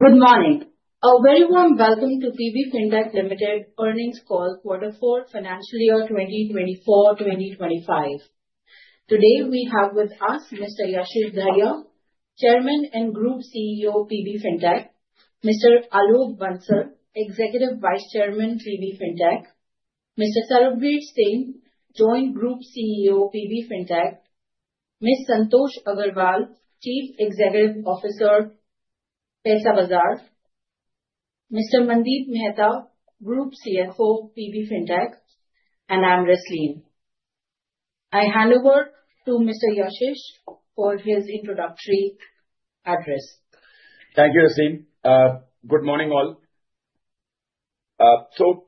Good morning. A very warm welcome to PB Fintech Limited earnings call, Quarter 4, Financial Year 2024-2025. Today we have with us Mr. Yashish Dahiya, Chairman and Group CEO PB Fintech; Mr. Alok Bansal, Executive Vice Chairman PB Fintech; Mr. Sarbvir Singh, Joint Group CEO PB Fintech; Ms. Santosh Agarwal, Chief Executive Officer, Paisabazaar; Mr. Mandeep Mehta, Group CFO PB Fintech; and I'm Rasleen. I hand over to Mr. Yashish for his introductory address. Thank you, Rasleen. Good morning, all.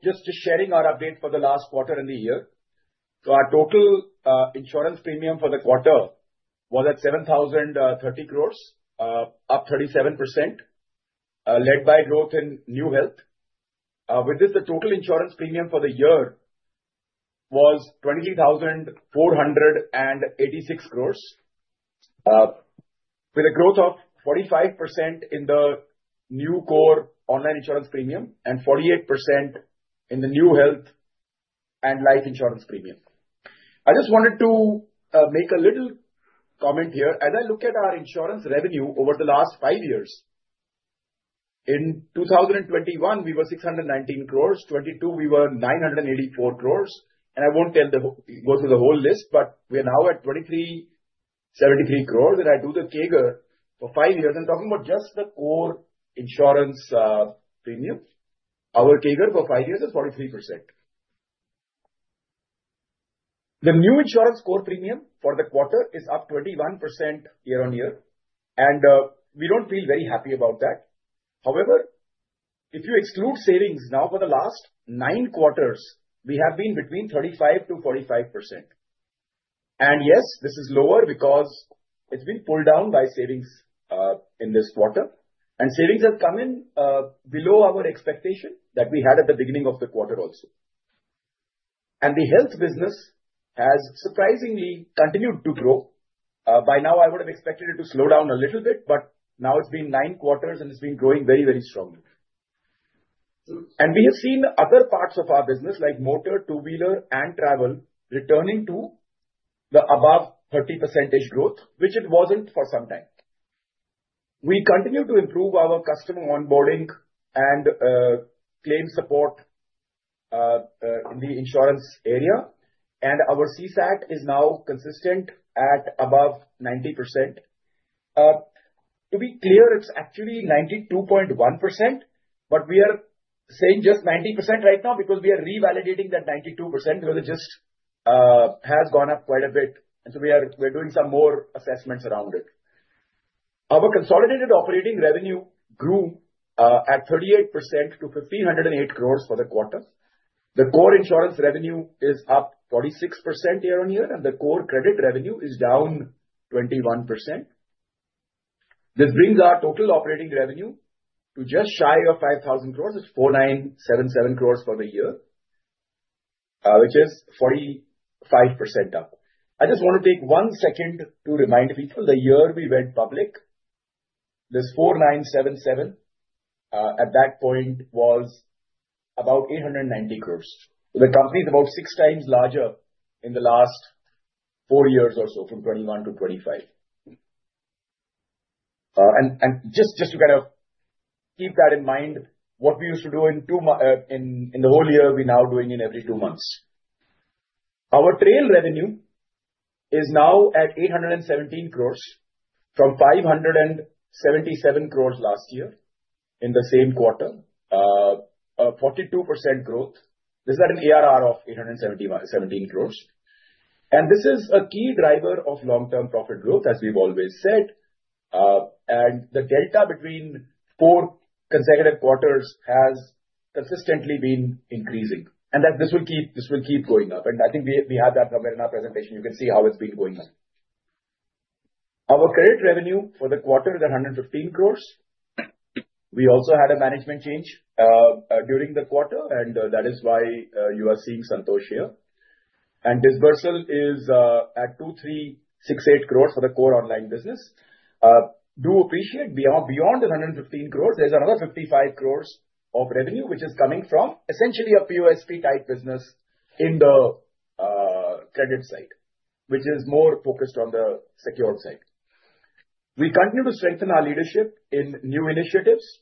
Just sharing our update for the last quarter and the year. Our total insurance premium for the quarter was at 7,030 crores, up 37%, led by growth in new health. With this, the total insurance premium for the year was 23,486 crores, with a growth of 45% in the new core online insurance premium and 48% in the new health and life insurance premium. I just wanted to make a little comment here. As I look at our insurance revenue over the last five years, in 2021, we were at 619 crores, in 2022, we were at 984 crores. I will not go through the whole list, but we are now at 2,373 crores. If I do the CAGR for five years, I am talking about just the core insurance premium. Our CAGR for five years is 43%. The new insurance core premium for the quarter is up 21% year on year, and we do not feel very happy about that. However, if you exclude savings, now for the last nine quarters, we have been between 35%-45%. Yes, this is lower because it has been pulled down by savings in this quarter, and savings have come in below our expectation that we had at the beginning of the quarter also. The health business has surprisingly continued to grow. By now, I would have expected it to slow down a little bit, but now it has been nine quarters, and it has been growing very, very strongly. We have seen other parts of our business, like motor, two-wheeler, and travel, returning to the above 30% growth, which it was not for some time. We continue to improve our customer onboarding and claim support in the insurance area, and our CSAT is now consistent at above 90%. To be clear, it's actually 92.1%, but we are saying just 90% right now because we are revalidating that 92% because it just has gone up quite a bit. We are doing some more assessments around it. Our consolidated operating revenue grew at 38% to 1,508 crore for the quarter. The core insurance revenue is up 46% year on year, and the core credit revenue is down 21%. This brings our total operating revenue to just shy of 5,000 crore. It's 4,977 crore for the year, which is 45% up. I just want to take one second to remind people the year we went public. This 4,977 at that point was about 890 crore. The company is about six times larger in the last four years or so, from 2021-2025. Just to kind of keep that in mind, what we used to do in the whole year, we're now doing in every two months. Our trail revenue is now at 817 crores from 577 crores last year in the same quarter, 42% growth. This is at an ARR of 817 crores. This is a key driver of long-term profit growth, as we've always said. The delta between four consecutive quarters has consistently been increasing, and this will keep going up. I think we have that somewhere in our presentation. You can see how it's been going up. Our credit revenue for the quarter is at 115 crores. We also had a management change during the quarter, and that is why you are seeing Santosh here. Disbursal is at 2,368 crores for the core online business. Do appreciate beyond the 115 crores, there's another 55 crores of revenue, which is coming from essentially a POSP-type business in the credit side, which is more focused on the secured side. We continue to strengthen our leadership in new initiatives,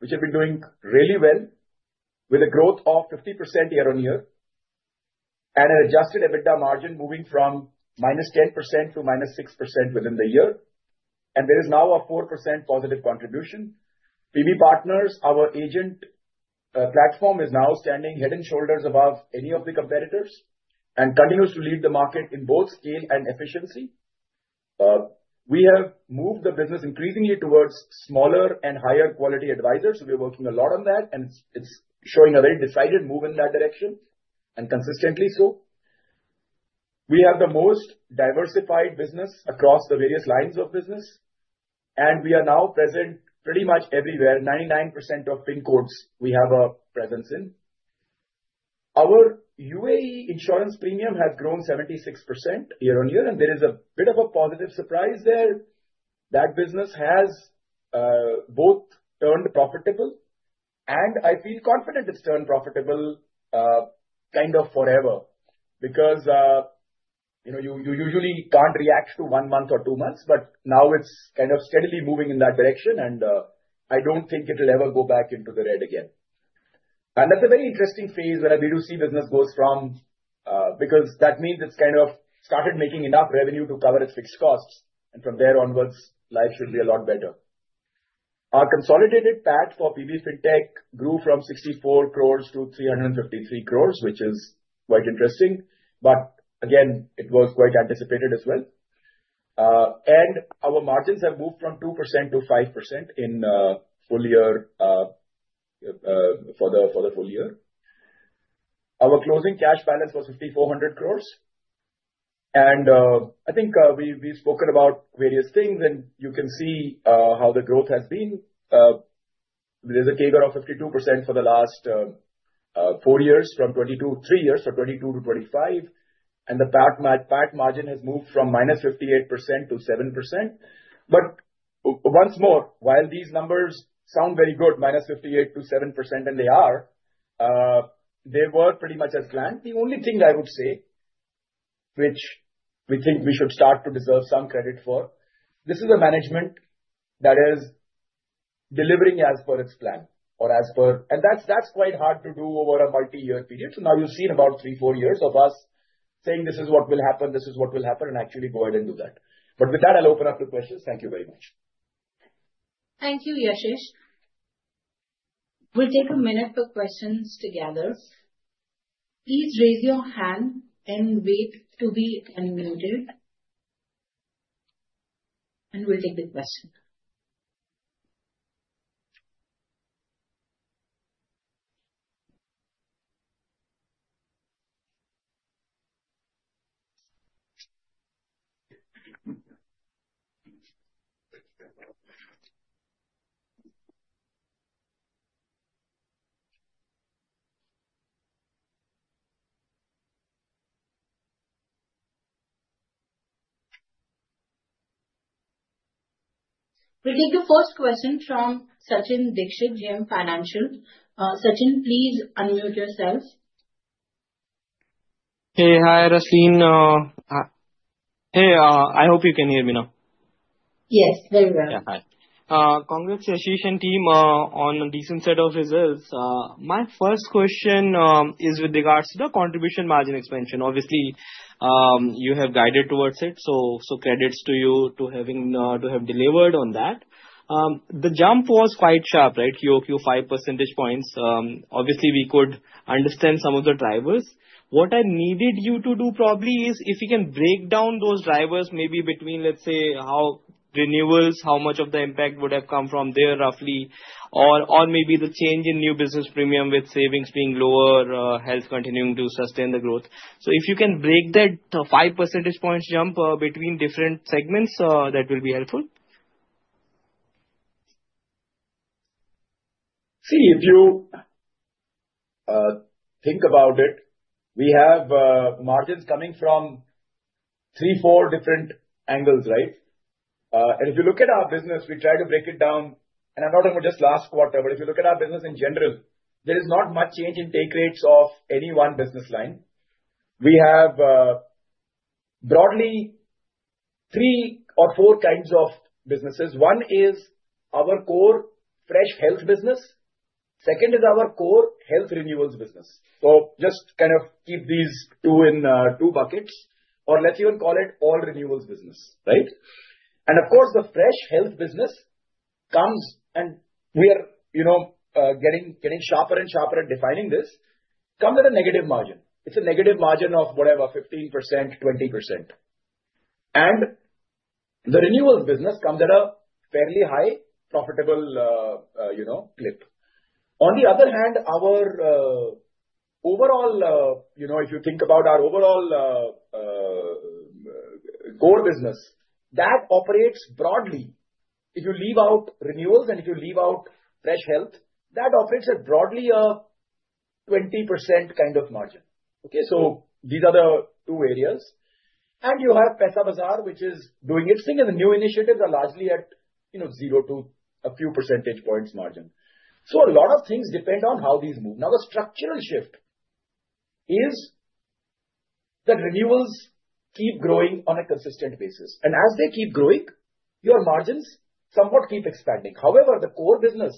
which have been doing really well, with a growth of 50% year on year, and an adjusted EBITDA margin moving from - 10% to - 6% within the year. There is now a 4% positive contribution. PB Partners, our agent platform, is now standing head and shoulders above any of the competitors and continues to lead the market in both scale and efficiency. We have moved the business increasingly towards smaller and higher quality advisors. We are working a lot on that, and it's showing a very decided move in that direction and consistently so. We have the most diversified business across the various lines of business, and we are now present pretty much everywhere, 99% of PIN codes we have a presence in. Our UAE insurance premium has grown 76% year on year, and there is a bit of a positive surprise there. That business has both turned profitable, and I feel confident it's turned profitable kind of forever because you usually can't react to one month or two months, but now it's kind of steadily moving in that direction. I don't think it will ever go back into the red again. That is a very interesting phase where a B2C business goes from because that means it's kind of started making enough revenue to cover its fixed costs, and from there onwards, life should be a lot better. Our consolidated PAT for PB Fintech grew from 64 crores to 353 crores, which is quite interesting, but again, it was quite anticipated as well. Our margins have moved from 2%-5% in the full year. Our closing cash balance was 5,400 crores. I think we've spoken about various things, and you can see how the growth has been. There's a CAGR of 52% for the last four years from 2022-2025, and the PAT margin has moved from -58%-7%. Once more, while these numbers sound very good, -58%-7%, and they are, they were pretty much as planned. The only thing I would say, which we think we should start to deserve some credit for, this is a management that is delivering as per its plan or as per, and that's quite hard to do over a multi-year period. Now you've seen about three, four years of us saying, "This is what will happen, this is what will happen," and actually go ahead and do that. With that, I'll open up to questions. Thank you very much. Thank you, Yashish. We'll take a minute for questions together. Please raise your hand and wait to be unmuted, and we'll take the question. We'll take the first question from Sachin Dixit, JM Financial. Sachin, please unmute yourself. Hey, hi, Rasleen. Hey, I hope you can hear me now. Yes, very well. Yeah, hi. Congrats, Yashish and team, on a decent set of results. My first question is with regards to the contribution margin expansion. Obviously, you have guided towards it, so credits to you to have delivered on that. The jump was quite sharp, right? QOQ 5 percentage points. Obviously, we could understand some of the drivers. What I needed you to do probably is if you can break down those drivers, maybe between, let's say, how renewables, how much of the impact would have come from there roughly, or maybe the change in new business premium with savings being lower, health continuing to sustain the growth. If you can break that 5 percentage points jump between different segments, that will be helpful. See, if you think about it, we have margins coming from three, four different angles, right? If you look at our business, we try to break it down, and I'm not talking about just last quarter, but if you look at our business in general, there is not much change in take rates of any one business line. We have broadly three or four kinds of businesses. One is our core fresh health business. Second is our core health renewables business. Just kind of keep these two in two buckets, or let's even call it all renewables business, right? Of course, the fresh health business comes, and we are getting sharper and sharper at defining this, comes at a negative margin. It's a negative margin of whatever, 15%-20%. The renewables business comes at a fairly high profitable clip. On the other hand, our overall, if you think about our overall core business, that operates broadly. If you leave out renewables and if you leave out fresh health, that operates at broadly a 20% kind of margin. Okay, these are the two areas. You have Paisabazaar, which is doing its thing, and the new initiatives are largely at zero to a few percentage points margin. A lot of things depend on how these move. Now, the structural shift is that renewables keep growing on a consistent basis. As they keep growing, your margins somewhat keep expanding. However, the core business,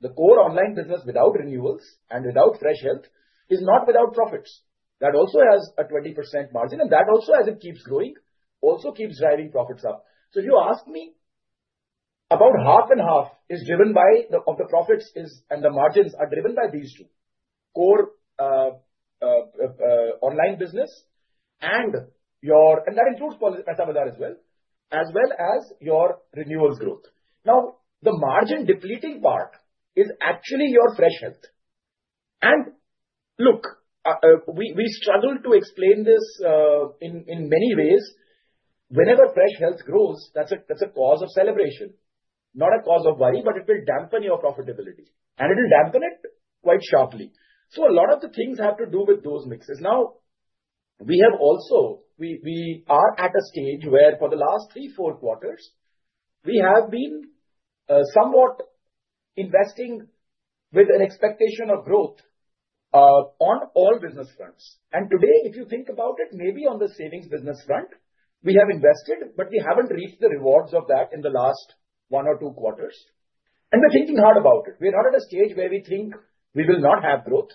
the core online business without renewables and without fresh health is not without profits. That also has a 20% margin, and that also, as it keeps growing, also keeps driving profits up. If you ask me, about half and half is driven by the profits and the margins are driven by these two: core online business, and that includes Paisabazaar as well, as well as your renewables growth. Now, the margin depleting part is actually your fresh health. Look, we struggle to explain this in many ways. Whenever fresh health grows, that is a cause of celebration, not a cause of worry, but it will dampen your profitability, and it will dampen it quite sharply. A lot of the things have to do with those mixes. We are at a stage where for the last three or four quarters, we have been somewhat investing with an expectation of growth on all business fronts. Today, if you think about it, maybe on the savings business front, we have invested, but we haven't reached the rewards of that in the last one or two quarters. We're thinking hard about it. We're not at a stage where we think we will not have growth.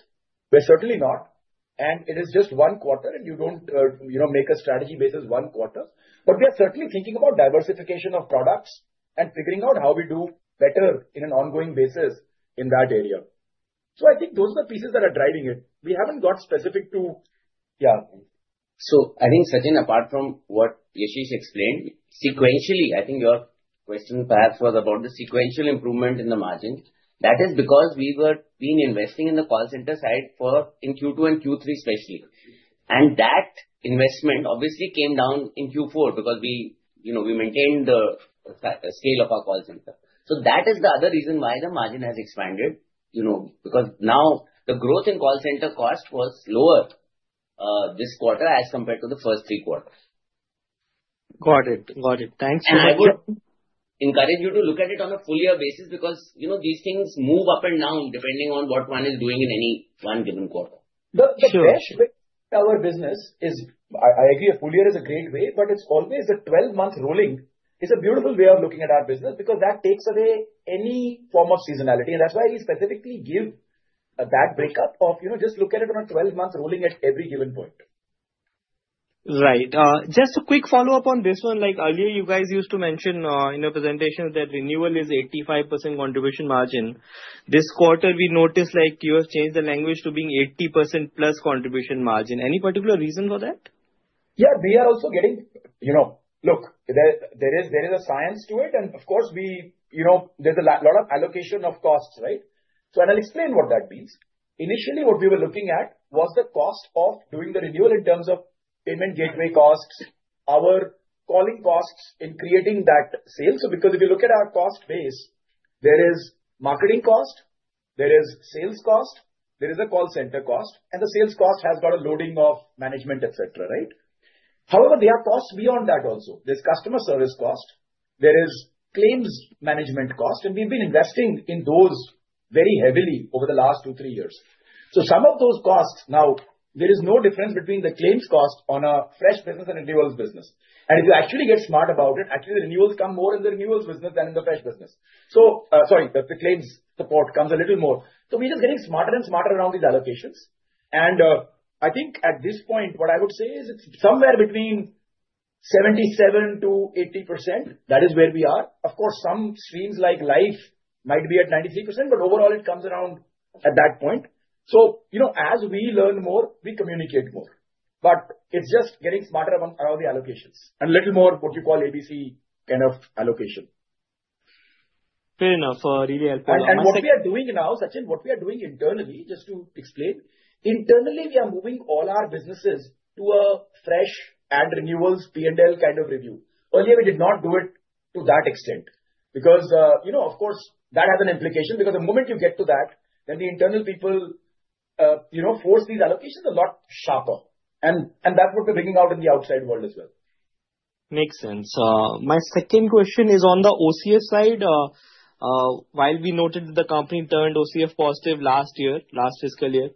We're certainly not. It is just one quarter, and you don't make a strategy basis one quarter. We are certainly thinking about diversification of products and figuring out how we do better on an ongoing basis in that area. I think those are the pieces that are driving it. We haven't got specific to, yeah. I think, Sachin, apart from what Yashish explained, sequentially, I think your question perhaps was about the sequential improvement in the margin. That is because we were investing in the call center side in Q2 and Q3 especially. That investment obviously came down in Q4 because we maintained the scale of our call center. That is the other reason why the margin has expanded, because now the growth in call center cost was lower this quarter as compared to the first three quarters. Got it. Got it. Thanks for that. I would encourage you to look at it on a full year basis because these things move up and down depending on what one is doing in any one given quarter. The cash-based our business is, I agree, a full year is a great way, but it's always a 12-month rolling. It's a beautiful way of looking at our business because that takes away any form of seasonality. That's why we specifically give that breakup of just look at it on a 12-month rolling at every given point. Right. Just a quick follow-up on this one. Earlier, you guys used to mention in your presentation that renewal is 85% contribution margin. This quarter, we noticed you have changed the language to being 80%+ contribution margin. Any particular reason for that? Yeah, we are also getting, look, there is a science to it. And of course, there's a lot of allocation of costs, right? I'll explain what that means. Initially, what we were looking at was the cost of doing the renewal in terms of payment gateway costs, our calling costs in creating that sale. If you look at our cost base, there is marketing cost, there is sales cost, there is a call center cost, and the sales cost has got a loading of management, etc., right? However, there are costs beyond that also. There's customer service cost. There is claims management cost, and we've been investing in those very heavily over the last two, three years. Some of those costs, now there is no difference between the claims cost on a fresh business and renewables business. If you actually get smart about it, actually the renewals come more in the renewals business than in the fresh business. Sorry, the claims support comes a little more. We are just getting smarter and smarter around these allocations. I think at this point, what I would say is it is somewhere between 77%-80%. That is where we are. Of course, some streams like life might be at 93%, but overall, it comes around at that point. As we learn more, we communicate more. It is just getting smarter around the allocations and a little more what you call ABC kind of allocation. Fair enough. Really helpful. What we are doing now, Sachin, what we are doing internally, just to explain, internally, we are moving all our businesses to a fresh and renewables P&L kind of review. Earlier, we did not do it to that extent because, of course, that has an implication because the moment you get to that, then the internal people force these allocations a lot sharper. That is what we are bringing out in the outside world as well. Makes sense. My second question is on the OCF side. While we noted that the company turned OCF positive last year, last fiscal year,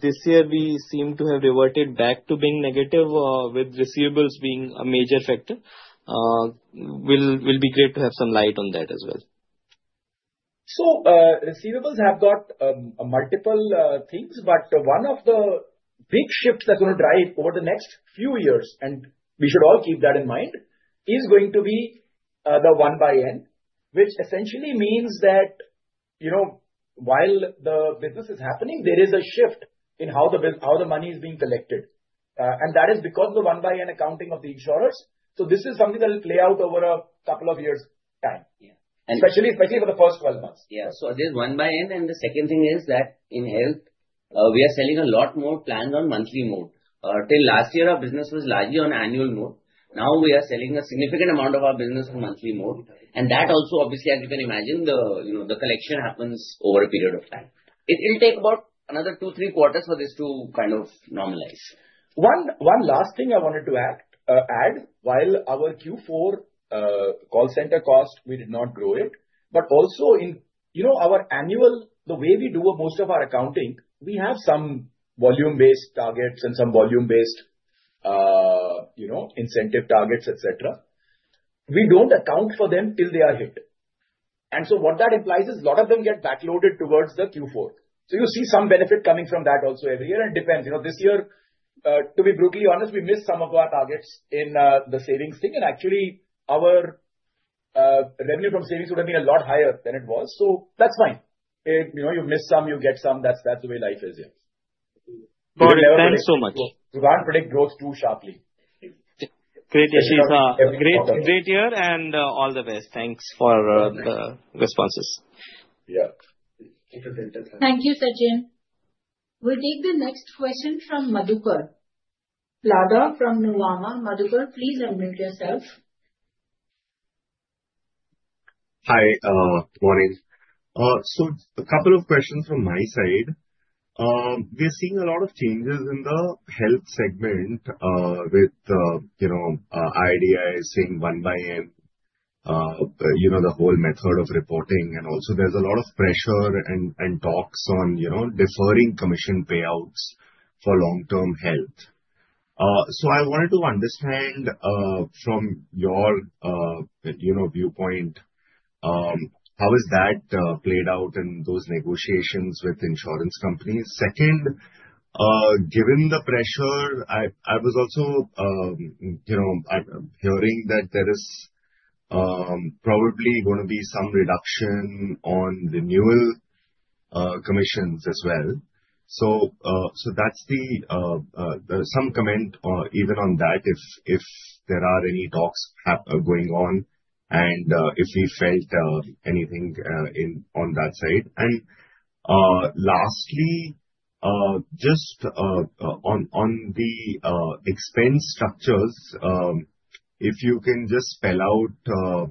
this year, we seem to have reverted back to being negative with receivables being a major factor. It will be great to have some light on that as well. Receivables have got multiple things, but one of the big shifts that's going to drive over the next few years, and we should all keep that in mind, is going to be the one-by-n, which essentially means that while the business is happening, there is a shift in how the money is being collected. That is because of the one-by-n accounting of the insurers. This is something that will play out over a couple of years' time, especially for the first 12 months. Yeah. There is one-by-n. The second thing is that in health, we are selling a lot more plans on monthly mode. Until last year, our business was largely on annual mode. Now we are selling a significant amount of our business on monthly mode. That also, obviously, as you can imagine, the collection happens over a period of time. It will take about another two to three quarters for this to kind of normalize. One last thing I wanted to add, while our Q4 call center cost, we did not grow it. Also, in our annual, the way we do most of our accounting, we have some volume-based targets and some volume-based incentive targets, etc. We do not account for them till they are hit. What that implies is a lot of them get backloaded towards Q4. You see some benefit coming from that also every year. It depends. This year, to be brutally honest, we missed some of our targets in the savings thing. Actually, our revenue from savings would have been a lot higher than it was. That is fine. You miss some, you get some. That is the way life is, yeah. Got it. Thanks so much. You can't predict growth too sharply. Great, Yashish. Great year, and all the best. Thanks for the responses. Yeah. Thank you, Sachin. We'll take the next question from Madhukar Ladha from Nuvama. Madhukar, please unmute yourself. Hi, good morning. A couple of questions from my side. We are seeing a lot of changes in the health segment with IDI saying one-by-n, the whole method of reporting. Also, there is a lot of pressure and talks on deferring commission payouts for long-term health. I wanted to understand from your viewpoint, how has that played out in those negotiations with insurance companies? Second, given the pressure, I was also hearing that there is probably going to be some reduction on renewal commissions as well. Any comment even on that, if there are any talks going on and if we felt anything on that side. Lastly, just on the expense structures, if you can just spell out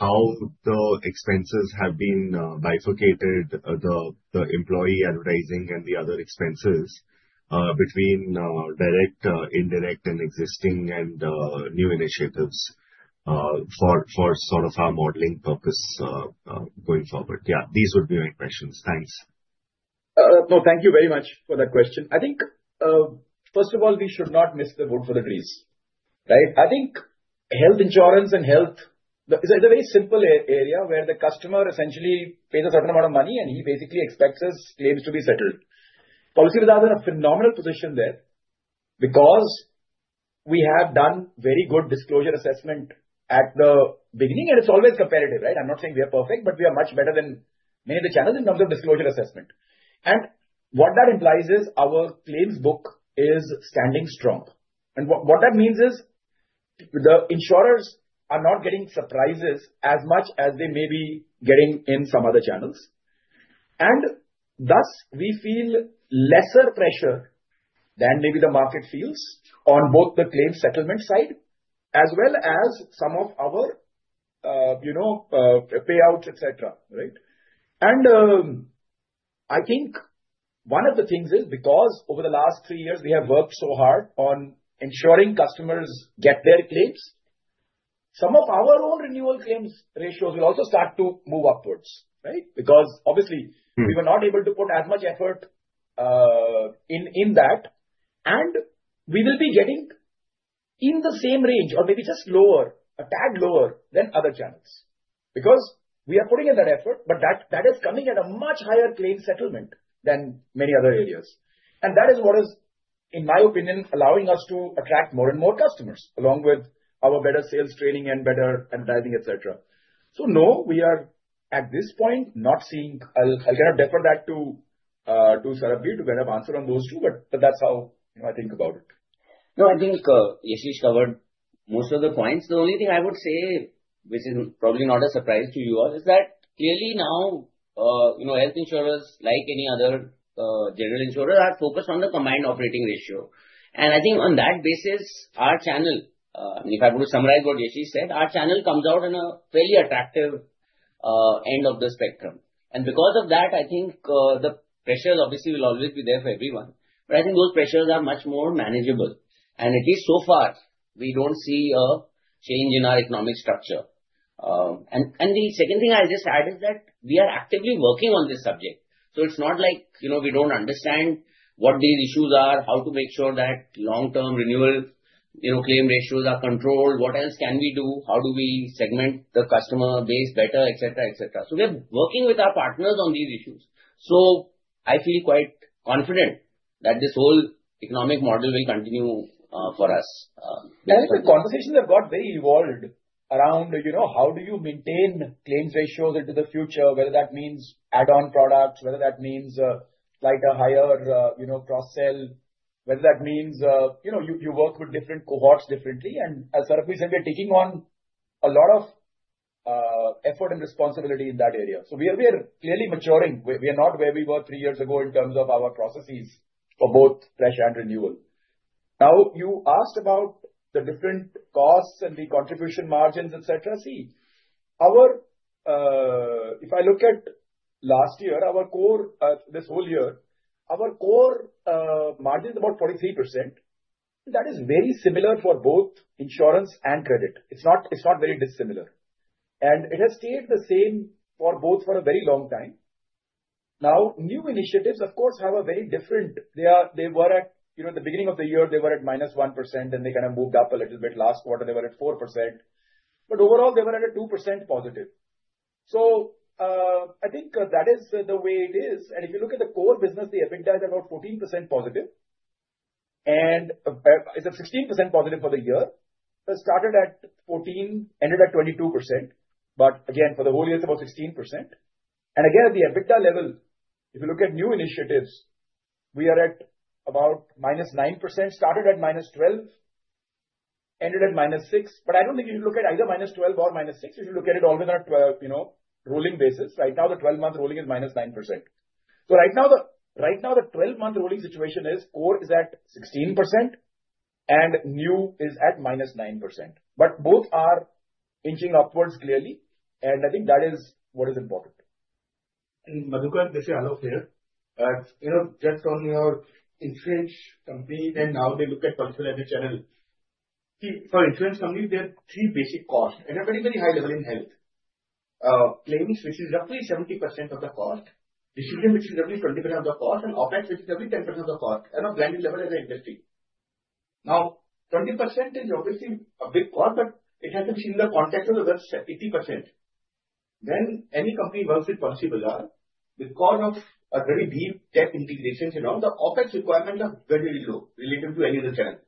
how the expenses have been bifurcated, the employee, advertising, and the other expenses between direct, indirect, and existing and new initiatives for sort of our modeling purpose going forward. Yeah, these would be my questions. Thanks. No, thank you very much for that question. I think, first of all, we should not miss the boat for the Greece, right? I think health insurance and health is a very simple area where the customer essentially pays a certain amount of money, and he basically expects his claims to be settled. Policybazaar is in a phenomenal position there because we have done very good disclosure assessment at the beginning, and it is always comparative, right? I am not saying we are perfect, but we are much better than many of the channels in terms of disclosure assessment. What that implies is our claims book is standing strong. What that means is the insurers are not getting surprises as much as they may be getting in some other channels. Thus, we feel lesser pressure than maybe the market feels on both the claim settlement side as well as some of our payouts, etc., right? I think one of the things is because over the last three years, we have worked so hard on ensuring customers get their claims, some of our own renewal claims ratios will also start to move upwards, right? Because obviously, we were not able to put as much effort in that. We will be getting in the same range or maybe just lower, a tad lower than other channels because we are putting in that effort, but that is coming at a much higher claim settlement than many other areas. That is what is, in my opinion, allowing us to attract more and more customers along with our better sales training and better advertising, etc. No, we are at this point not seeing, I'll kind of defer that to Sarbvir to kind of answer on those two, but that's how I think about it. No, I think Yashish covered most of the points. The only thing I would say, which is probably not a surprise to you all, is that clearly now health insurers, like any other general insurer, are focused on the combined operating ratio. I think on that basis, our channel, I mean, if I were to summarize what Yashish said, our channel comes out in a fairly attractive end of the spectrum. Because of that, I think the pressure obviously will always be there for everyone. I think those pressures are much more manageable. At least so far, we do not see a change in our economic structure. The second thing I just add is that we are actively working on this subject. It's not like we don't understand what these issues are, how to make sure that long-term renewal claim ratios are controlled, what else can we do, how do we segment the customer base better, etc., etc. We're working with our partners on these issues. I feel quite confident that this whole economic model will continue for us. The conversations have got very evolved around how do you maintain claims ratios into the future, whether that means add-on products, whether that means slightly higher cross-sell, whether that means you work with different cohorts differently. As Sarbvir said, we are taking on a lot of effort and responsibility in that area. We are clearly maturing. We are not where we were three years ago in terms of our processes for both fresh and renewal. You asked about the different costs and the contribution margins, etc. See, if I look at last year, this whole year, our core margin is about 43%. That is very similar for both insurance and credit. It's not very dissimilar. It has stayed the same for both for a very long time. Now, new initiatives, of course, have a very different—they were at the beginning of the year, they were at -1%, and they kind of moved up a little bit. Last quarter, they were at 4%. Overall, they were at a 2%+. I think that is the way it is. If you look at the core business, the EBITDA is about 14%+. It is a 16%+ for the year. It started at 14, ended at 22%. For the whole year, it is about 16%. At the EBITDA level, if you look at new initiatives, we are at about -9%, started at -12, ended at -6. I do not think you should look at either -12 or -6. You should look at it always on a rolling basis. Right now, the 12-month rolling is -9%. Right now, the 12-month rolling situation is core is at 16%, and new is at -9%. Both are inching upwards clearly. I think that is what is important. Madhukar, this is Alok here. Just on your insurance company and how they look at policy for every channel. For insurance companies, there are three basic costs. At a very, very high level in health, claims, which is roughly 70% of the cost, decision, which is roughly 20% of the cost, and OpEx, which is roughly 10% of the cost, and a blended level as an industry. Now, 20% is obviously a big cost, but it has to be seen in the context of the other 80%. Any company works with Policybazaar, because of very deep tech integrations, the OpEx requirements are very, very low relative to any other channel.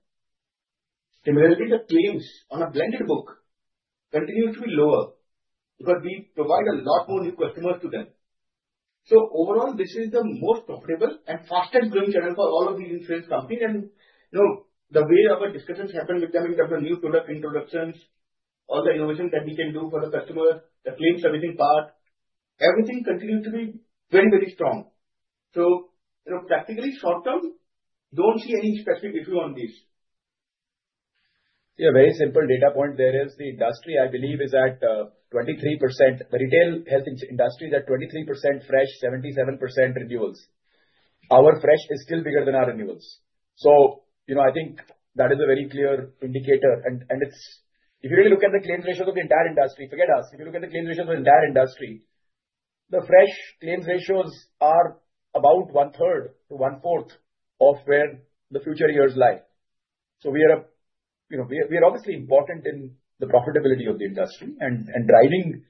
Similarly, the claims on a blended book continue to be lower because we provide a lot more new customers to them. Overall, this is the most profitable and fastest-growing channel for all of these insurance companies. The way our discussions happen with them in terms of new product introductions, all the innovations that we can do for the customer, the claims servicing part, everything continues to be very, very strong. Practically, short term, do not see any specific issue on these. Yeah, very simple data point there. The industry, I believe, is at 23%. The retail health industry is at 23%, fresh 77%, renewals. Our fresh is still bigger than our renewals. I think that is a very clear indicator. If you really look at the claims ratios of the entire industry, forget us. If you look at the claims ratios of the entire industry, the fresh claims ratios are about one-third to one-fourth of where the future years lie. We are obviously important in the profitability of the industry and driving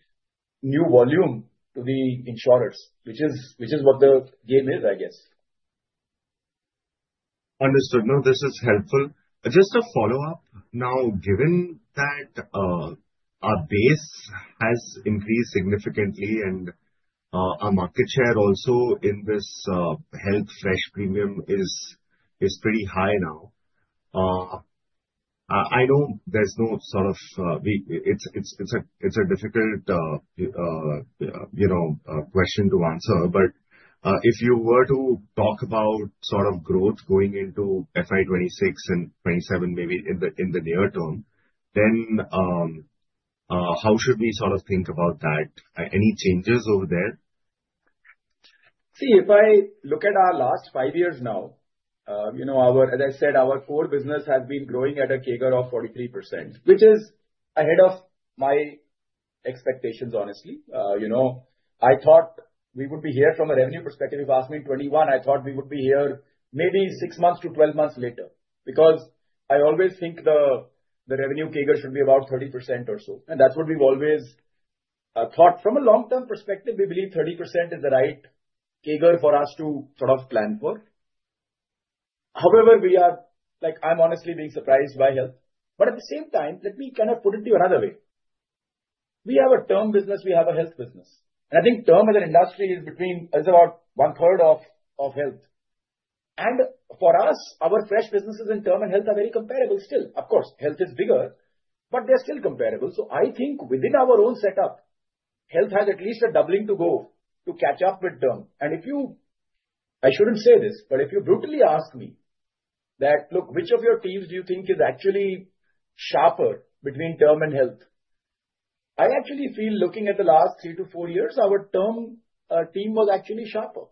new volume to the insurers, which is what the game is, I guess. Understood. No, this is helpful. Just a follow-up. Now, given that our base has increased significantly and our market share also in this health fresh premium is pretty high now, I know there is no sort of, it is a difficult question to answer. If you were to talk about sort of growth going into FY 2026 and 2027, maybe in the near term, how should we sort of think about that? Any changes over there? See, if I look at our last five years now, as I said, our core business has been growing at a CAGR of 43%, which is ahead of my expectations, honestly. I thought we would be here from a revenue perspective. If you ask me in 2021, I thought we would be here maybe six months to twelve months later because I always think the revenue CAGR should be about 30% or so. That is what we have always thought. From a long-term perspective, we believe 30% is the right CAGR for us to sort of plan for. However, I am honestly being surprised by health. At the same time, let me kind of put it to you another way. We have a term business. We have a health business. I think term as an industry is about one-third of health. For us, our fresh businesses in term and health are very comparable still. Of course, health is bigger, but they are still comparable. I think within our own setup, health has at least a doubling to go to catch up with term. If you—I should not say this—but if you brutally ask me, "Look, which of your teams do you think is actually sharper between term and health?" I actually feel looking at the last three to four years, our term team was actually sharper.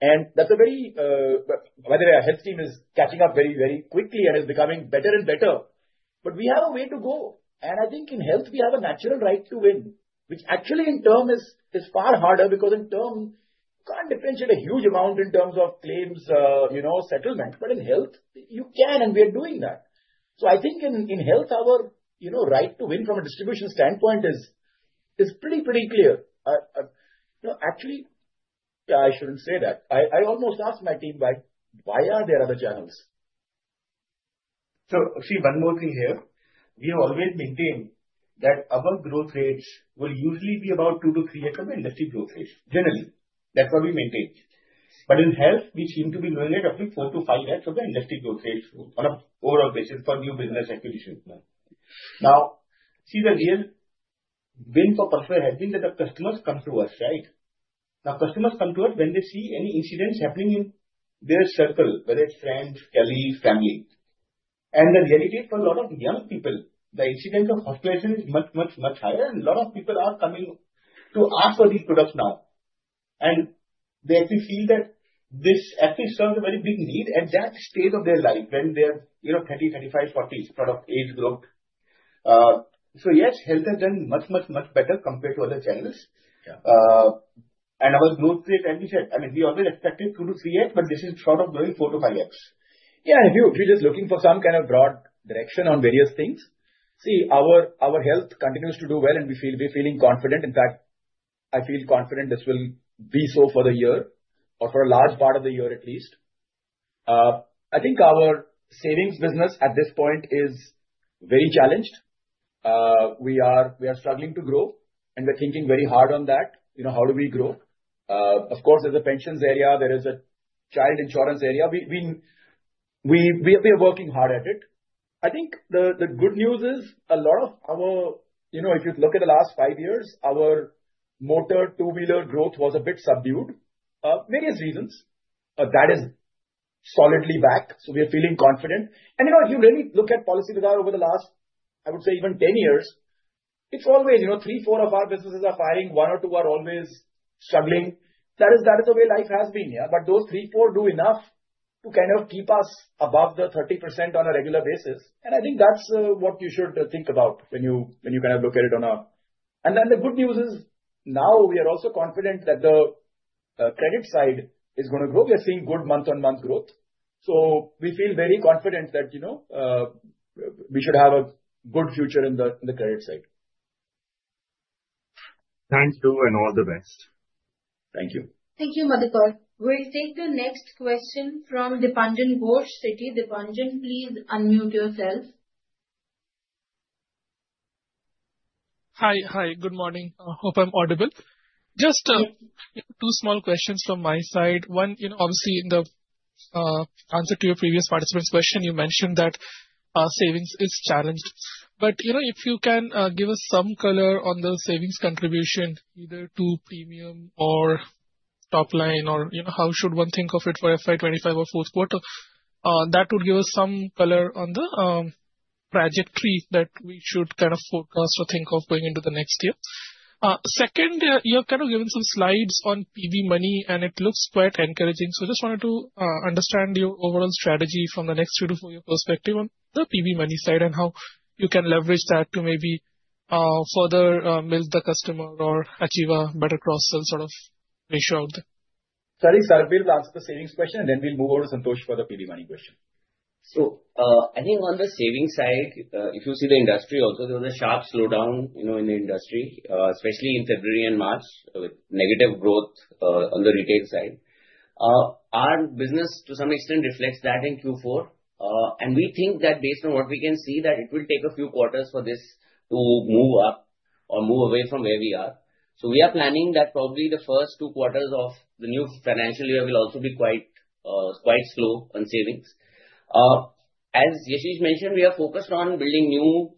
That is a very—by the way, our health team is catching up very, very quickly and is becoming better and better. We have a way to go. I think in health, we have a natural right to win, which actually in term is far harder because in term, you cannot differentiate a huge amount in terms of claims settlement. In health, you can, and we are doing that. I think in health, our right to win from a distribution standpoint is pretty, pretty clear. Actually, yeah, I shouldn't say that. I almost asked my team, "Why are there other channels? Actually, one more thing here. We have always maintained that our growth rates will usually be about 2%-3% of industry growth rates, generally. That's what we maintain. In health, we seem to be doing it roughly 4x-5x of the industry growth rates on an overall basis for new business acquisitions. Now, see, the real win for Paisabazaar has been that the customers come to us, right? Customers come to us when they see any incidents happening in their circle, whether it's friends, colleagues, family. The reality is for a lot of young people, the incidence of hospitalization is much, much, much higher. A lot of people are coming to ask for these products now. They actually feel that this actually serves a very big need at that stage of their life when they are 30, 35, 40, sort of age growth. Yes, health has done much, much, much better compared to other channels. Our growth rate, as we said, I mean, we always expected 2-3X, but this is sort of going 4-5X. Yeah, if you're just looking for some kind of broad direction on various things, see, our health continues to do well, and we're feeling confident. In fact, I feel confident this will be so for the year or for a large part of the year, at least. I think our savings business at this point is very challenged. We are struggling to grow, and we're thinking very hard on that. How do we grow? Of course, there's a pensions area. There is a child insurance area. We are working hard at it. I think the good news is a lot of our—if you look at the last five years, our motor two-wheeler growth was a bit subdued for various reasons. That is solidly back. We are feeling confident. If you really look at Paisabazaar over the last, I would say, even 10 years, it is always three, four of our businesses are firing. One or two are always struggling. That is the way life has been. Those three, four do enough to kind of keep us above the 30% on a regular basis. I think that is what you should think about when you kind of look at it. The good news is now we are also confident that the credit side is going to grow. We are seeing good month-on-month growth. We feel very confident that we should have a good future in the credit side. Thanks, too, and all the best. Thank you. Thank you, Madhukar. We'll take the next question from Dipanjan Ghosh. Citi Dipanjan, please unmute yourself. Hi. Good morning. I hope I'm audible. Just two small questions from my side. One, obviously, in the answer to your previous participant's question, you mentioned that savings is challenged. If you can give us some color on the savings contribution, either to premium or top line, or how should one think of it for FY 2025 or fourth quarter, that would give us some color on the trajectory that we should kind of focus or think of going into the next year. Second, you have kind of given some slides on PB Money, and it looks quite encouraging. I just wanted to understand your overall strategy from the next three to four-year perspective on the PB Money side and how you can leverage that to maybe further milk the customer or achieve a better cross-sell sort of ratio out there. Sorry, Sarbvir will answer the savings question, and then we'll move over to Santosh for the PB Money question. I think on the savings side, if you see the industry also, there was a sharp slowdown in the industry, especially in February and March with negative growth on the retail side. Our business, to some extent, reflects that in Q4. We think that based on what we can see, it will take a few quarters for this to move up or move away from where we are. We are planning that probably the first two quarters of the new financial year will also be quite slow on savings. As Yashish mentioned, we are focused on building new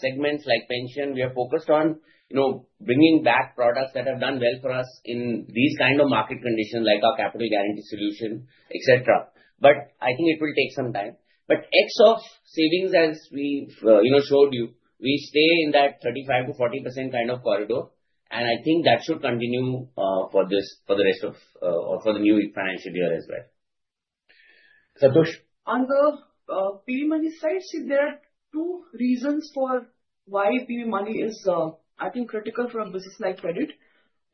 segments like pension. We are focused on bringing back products that have done well for us in these kinds of market conditions, like our Capital Guarantee Solution, etc. I think it will take some time. X of savings, as we showed you, we stay in that 35%-40% kind of corridor. I think that should continue for the rest of or for the new financial year as well. Santosh? On the PB Money side, see, there are two reasons for why PB Money is, I think, critical for a business like credit.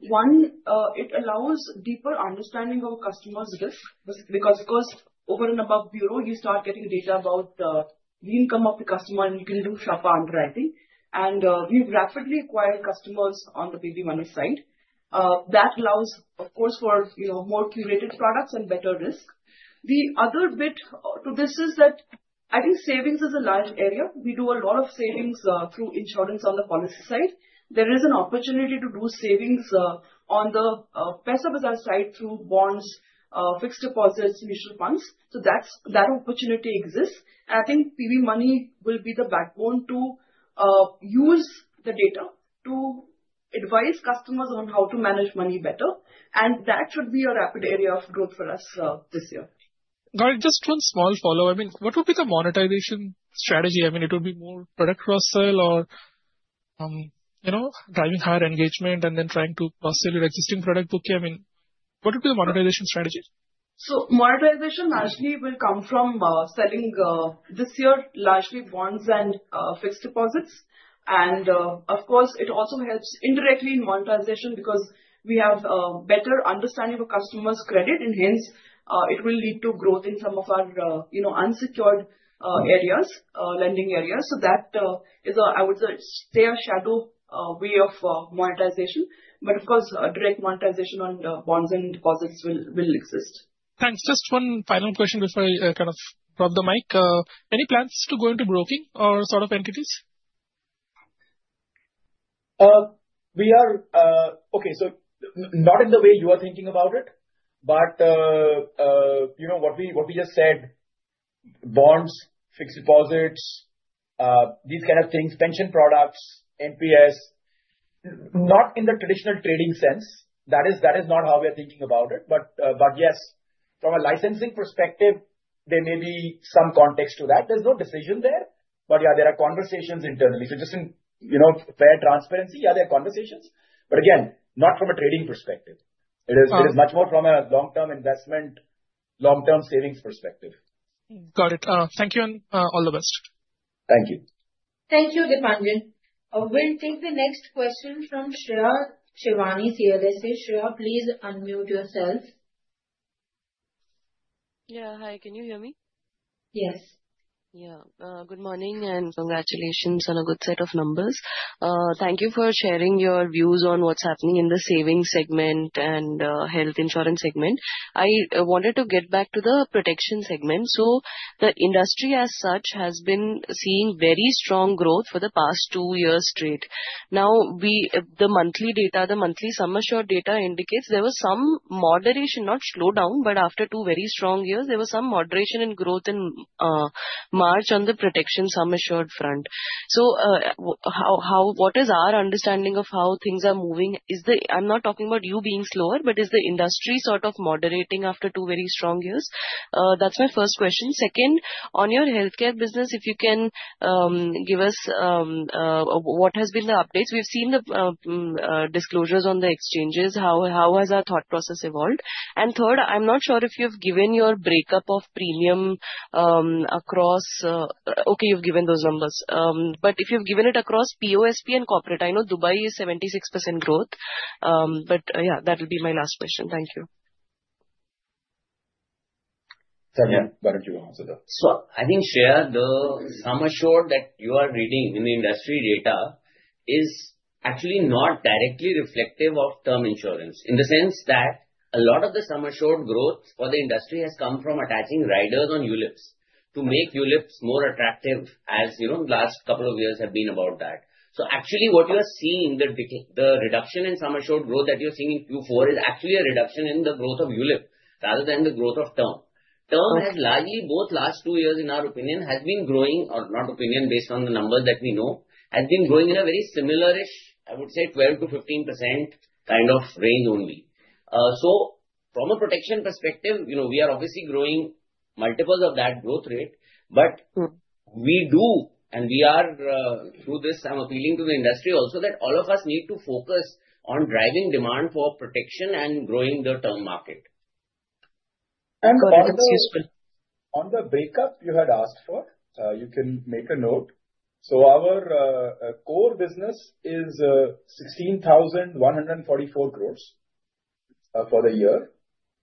One, it allows deeper understanding of a customer's risk because, of course, over and above Bureau, you start getting data about the income of the customer, and you can do sharper underwriting. We've rapidly acquired customers on the PB Money side. That allows, of course, for more curated products and better risk. The other bit to this is that I think savings is a large area. We do a lot of savings through insurance on the policy side. There is an opportunity to do savings on the Paisabazaar side through bonds, fixed deposits, mutual funds. That opportunity exists. I think PB Money will be the backbone to use the data to advise customers on how to manage money better. That should be a rapid area of growth for us this year. Got it. Just one small follow-up. I mean, what would be the monetization strategy? I mean, would it be more product cross-sell or driving higher engagement and then trying to post-sell your existing product book? I mean, what would be the monetization strategy? Monetization largely will come from selling this year, largely bonds and fixed deposits. Of course, it also helps indirectly in monetization because we have a better understanding of a customer's credit. Hence, it will lead to growth in some of our unsecured areas, lending areas. That is, I would say, a shadow way of monetization. Of course, direct monetization on bonds and deposits will exist. Thanks. Just one final question before I kind of drop the mic. Any plans to go into broking or sort of entities? We are, okay, so not in the way you are thinking about it, but what we just said, bonds, fixed deposits, these kinds of things, pension products, NPS, not in the traditional trading sense. That is not how we are thinking about it. Yes, from a licensing perspective, there may be some context to that. There is no decision there. Yeah, there are conversations internally. Just in fair transparency, yeah, there are conversations. Again, not from a trading perspective. It is much more from a long-term investment, long-term savings perspective. Got it. Thank you, and all the best. Thank you. Thank you, Dipanjan. We'll take the next question from Shreya Shivani, CLSA. Shreya, please unmute yourself. Yeah. Hi. Can you hear me? Yes. Yeah. Good morning and congratulations on a good set of numbers. Thank you for sharing your views on what's happening in the savings segment and health insurance segment. I wanted to get back to the protection segment. The industry as such has been seeing very strong growth for the past two years straight. Now, the monthly data, the monthly sum assured data indicates there was some moderation, not slowdown, but after two very strong years, there was some moderation in growth in March on the protection sum assured front. What is our understanding of how things are moving? I'm not talking about you being slower, but is the industry sort of moderating after two very strong years? That's my first question. Second, on your healthcare business, if you can give us what has been the updates. We've seen the disclosures on the exchanges. How has our thought process evolved? Third, I'm not sure if you've given your breakup of premium across—okay, you've given those numbers. If you've given it across POSP and corporate, I know Dubai is 76% growth. That will be my last question. Thank you. Sarbvir, why don't you answer that? I think, Shreya, the sum assured that you are reading in the industry data is actually not directly reflective of term insurance in the sense that a lot of the sum assured growth for the industry has come from attaching riders on ULIPs to make ULIPs more attractive as the last couple of years have been about that. Actually, what you are seeing, the reduction in sum assured growth that you're seeing in Q4 is actually a reduction in the growth of ULIP rather than the growth of term. Term has largely, both last two years, in our opinion, has been growing—or not opinion based on the numbers that we know—has been growing in a very similar-ish, I would say, 12%-15% kind of range only. From a protection perspective, we are obviously growing multiples of that growth rate. We do, and we are—through this, I'm appealing to the industry also—that all of us need to focus on driving demand for protection and growing the term market. On the breakup you had asked for, you can make a note. Our core business is 16,144 crore for the year.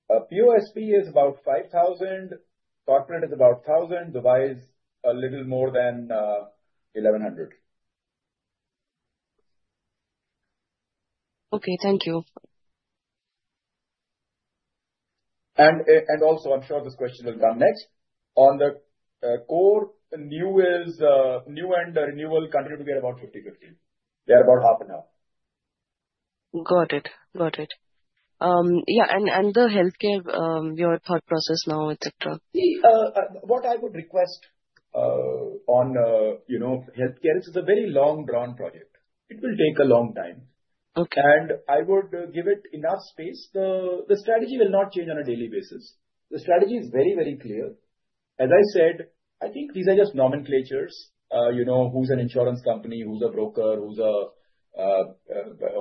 POSP is about 5,000 crore. Corporate is about 1,000 crore. Dubai is a little more than 1,100 crore. Okay. Thank you. I'm sure this question will come next. On the core, new and renewal continue to get about 50/50. They are about half and half. Got it. Got it. Yeah. And the healthcare, your thought process now, etc.? See, what I would request on healthcare is it's a very long, drawn project. It will take a long time. I would give it enough space. The strategy will not change on a daily basis. The strategy is very, very clear. As I said, I think these are just nomenclatures. Who's an insurance company? Who's a broker? Who's a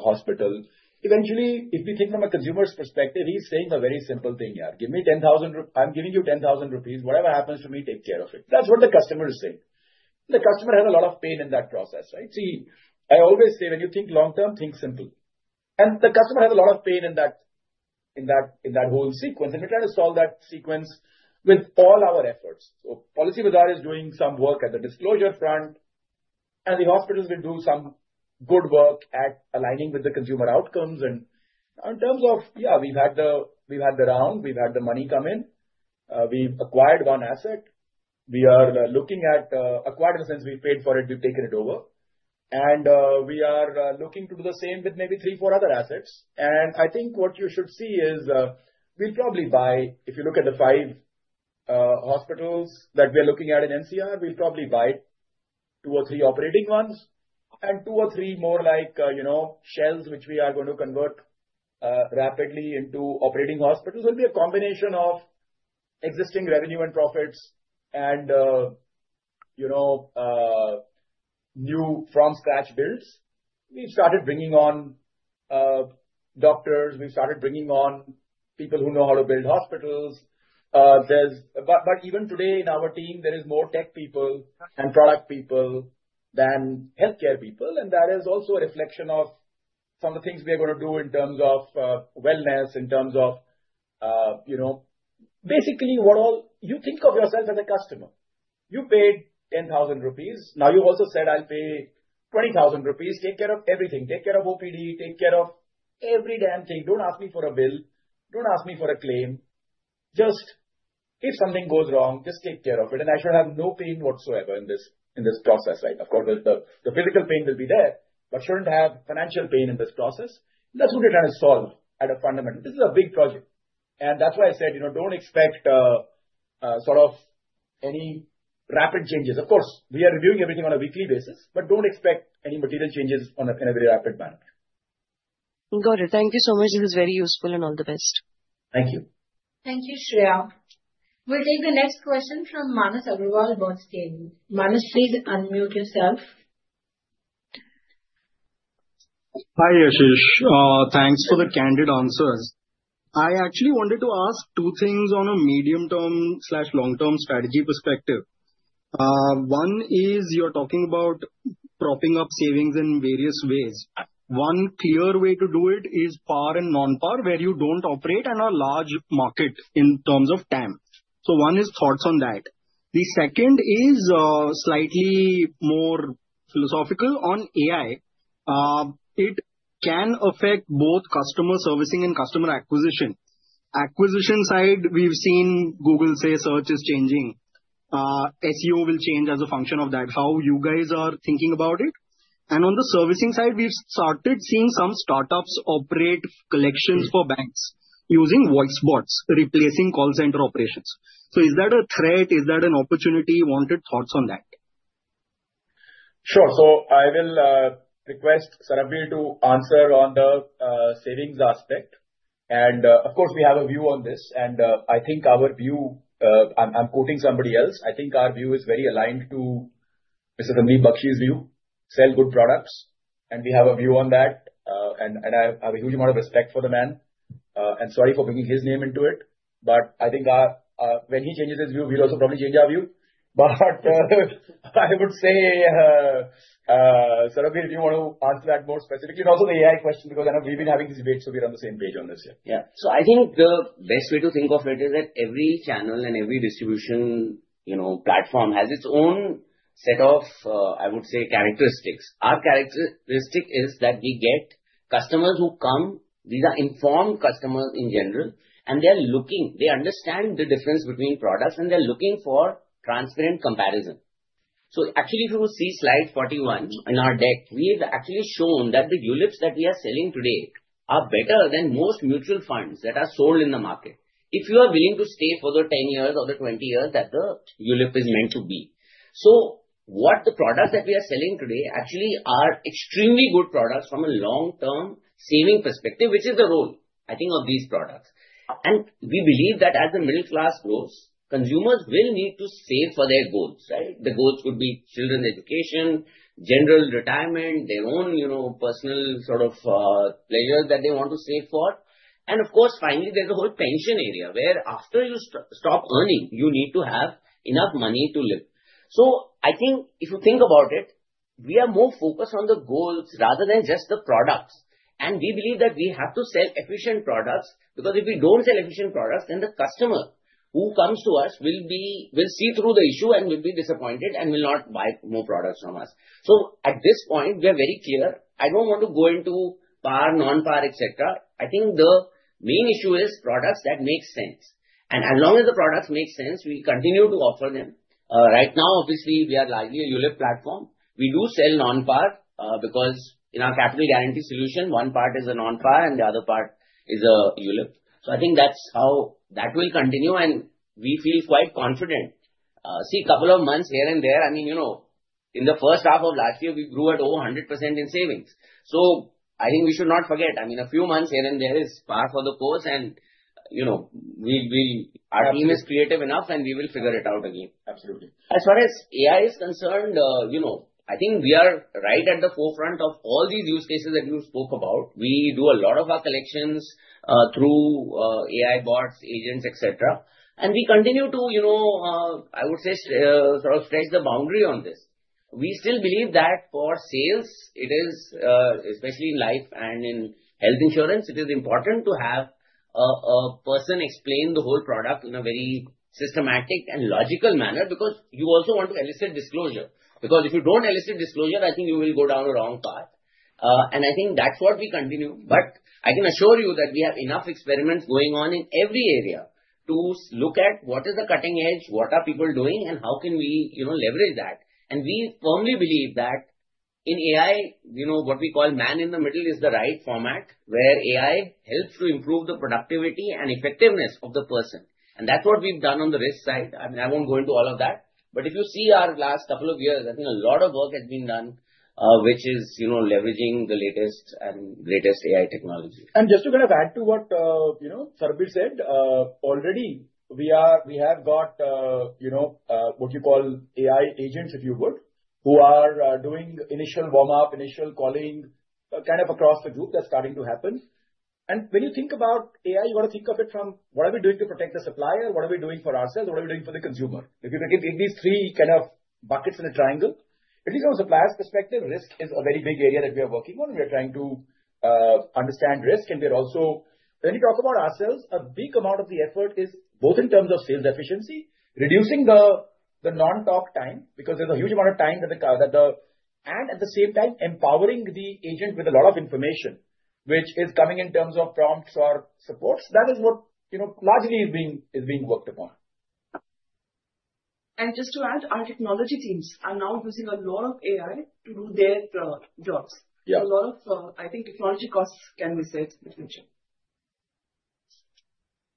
hospital? Eventually, if we think from a consumer's perspective, he's saying a very simple thing, "Yeah, give me 10,000. I'm giving you 10,000 rupees. Whatever happens to me, take care of it." That's what the customer is saying. The customer has a lot of pain in that process, right? See, I always say when you think long-term, think simple. The customer has a lot of pain in that whole sequence. We're trying to solve that sequence with all our efforts. Policybazaar is doing some work at the disclosure front. The hospitals will do some good work at aligning with the consumer outcomes. In terms of, yeah, we've had the round. We've had the money come in. We've acquired one asset. We are looking at acquired in the sense we've paid for it. We've taken it over. We are looking to do the same with maybe three, four other assets. I think what you should see is we'll probably buy—if you look at the five hospitals that we are looking at in NCR, we'll probably buy two or three operating ones and two or three more like shells, which we are going to convert rapidly into operating hospitals. It'll be a combination of existing revenue and profits and new from-scratch builds. We've started bringing on doctors. We've started bringing on people who know how to build hospitals. Even today, in our team, there are more tech people and product people than healthcare people. That is also a reflection of some of the things we are going to do in terms of wellness, in terms of basically what all you think of yourself as a customer. You paid 10,000 rupees. Now, you also said, "I'll pay 20,000 rupees. Take care of everything. Take care of OPD. Take care of every damn thing. Don't ask me for a bill. Don't ask me for a claim. Just if something goes wrong, just take care of it." I should have no pain whatsoever in this process, right? Of course, the physical pain will be there, but shouldn't have financial pain in this process. That's what we're trying to solve at a fundamental. This is a big project. That is why I said, "Don't expect sort of any rapid changes." Of course, we are reviewing everything on a weekly basis, but don't expect any material changes in a very rapid manner. Got it. Thank you so much. This is very useful and all the best. Thank you. Thank you, Shreya. We'll take the next question from Manas Agrawal Bernstein. Manas, please unmute yourself. Hi, Yashish. Thanks for the candid answers. I actually wanted to ask two things on a medium-term/long-term strategy perspective. One is you're talking about propping up savings in various ways. One clear way to do it is par and non-par, where you don't operate on a large market in terms of time. One is thoughts on that. The second is slightly more philosophical on AI. It can affect both customer servicing and customer acquisition. Acquisition side, we've seen Google say search is changing. SEO will change as a function of that, how you guys are thinking about it. On the servicing side, we've started seeing some startups operate collections for banks using voice bots replacing call center operations. Is that a threat? Is that an opportunity? Wanted thoughts on that. Sure. I will request Sarbvir to answer on the savings aspect. Of course, we have a view on this. I think our view—I'm quoting somebody else—I think our view is very aligned to [Mr. Rami Bakshi's] view: sell good products. We have a view on that. I have a huge amount of respect for the man. Sorry for bringing his name into it. I think when he changes his view, we'll also probably change our view. I would say, Sarbvir, if you want to answer that more specifically, and also the AI question, because I know we've been having these debates, we're on the same page on this here. Yeah. I think the best way to think of it is that every channel and every distribution platform has its own set of, I would say, characteristics. Our characteristic is that we get customers who come—these are informed customers in general—and they are looking. They understand the difference between products, and they are looking for transparent comparison. If you see slide 41 in our deck, we have actually shown that the ULIPs that we are selling today are better than most mutual funds that are sold in the market. If you are willing to stay for the 10 years or the 20 years that the ULIP is meant to be. The products that we are selling today actually are extremely good products from a long-term saving perspective, which is the role, I think, of these products. We believe that as the middle class grows, consumers will need to save for their goals, right? The goals could be children's education, general retirement, their own personal sort of pleasures that they want to save for. Of course, finally, there is a whole pension area where after you stop earning, you need to have enough money to live. I think if you think about it, we are more focused on the goals rather than just the products. We believe that we have to sell efficient products because if we do not sell efficient products, then the customer who comes to us will see through the issue and will be disappointed and will not buy more products from us. At this point, we are very clear. I do not want to go into par, non-par, etc. I think the main issue is products that make sense. As long as the products make sense, we continue to offer them. Right now, obviously, we are largely a ULIP platform. We do sell non-par because in our capital guarantee solution, one part is a non-par and the other part is a ULIP. I think that's how that will continue. We feel quite confident. See, a couple of months here and there, I mean, in the first half of last year, we grew at over 100% in savings. I think we should not forget. I mean, a few months here and there is par for the course. Our team is creative enough, and we will figure it out again. Absolutely. As far as AI is concerned, I think we are right at the forefront of all these use cases that you spoke about. We do a lot of our collections through AI bots, agents, etc. We continue to, I would say, sort of stretch the boundary on this. We still believe that for sales, it is, especially in life and in health insurance, important to have a person explain the whole product in a very systematic and logical manner because you also want to elicit disclosure. If you do not elicit disclosure, I think you will go down a wrong path. I think that is what we continue. I can assure you that we have enough experiments going on in every area to look at what is the cutting edge, what are people doing, and how can we leverage that. We firmly believe that in AI, what we call man in the middle is the right format where AI helps to improve the productivity and effectiveness of the person. That is what we have done on the risk side. I mean, I will not go into all of that. If you see our last couple of years, I think a lot of work has been done, which is leveraging the latest and greatest AI technology. Just to kind of add to what Sarbvir said, already we have got what you call AI agents, if you would, who are doing initial warm-up, initial calling kind of across the group. That's starting to happen. When you think about AI, you got to think of it from what are we doing to protect the supplier? What are we doing for ourselves? What are we doing for the consumer? If you can take these three kind of buckets in a triangle, at least from a supplier's perspective, risk is a very big area that we are working on. We are trying to understand risk. We are also, when you talk about ourselves, a big amount of the effort is both in terms of sales efficiency, reducing the non-talk time because there's a huge amount of time that the—and at the same time, empowering the agent with a lot of information, which is coming in terms of prompts or supports. That is what largely is being worked upon. Just to add, our technology teams are now using a lot of AI to do their jobs. So a lot of, I think, technology costs can be saved in the future.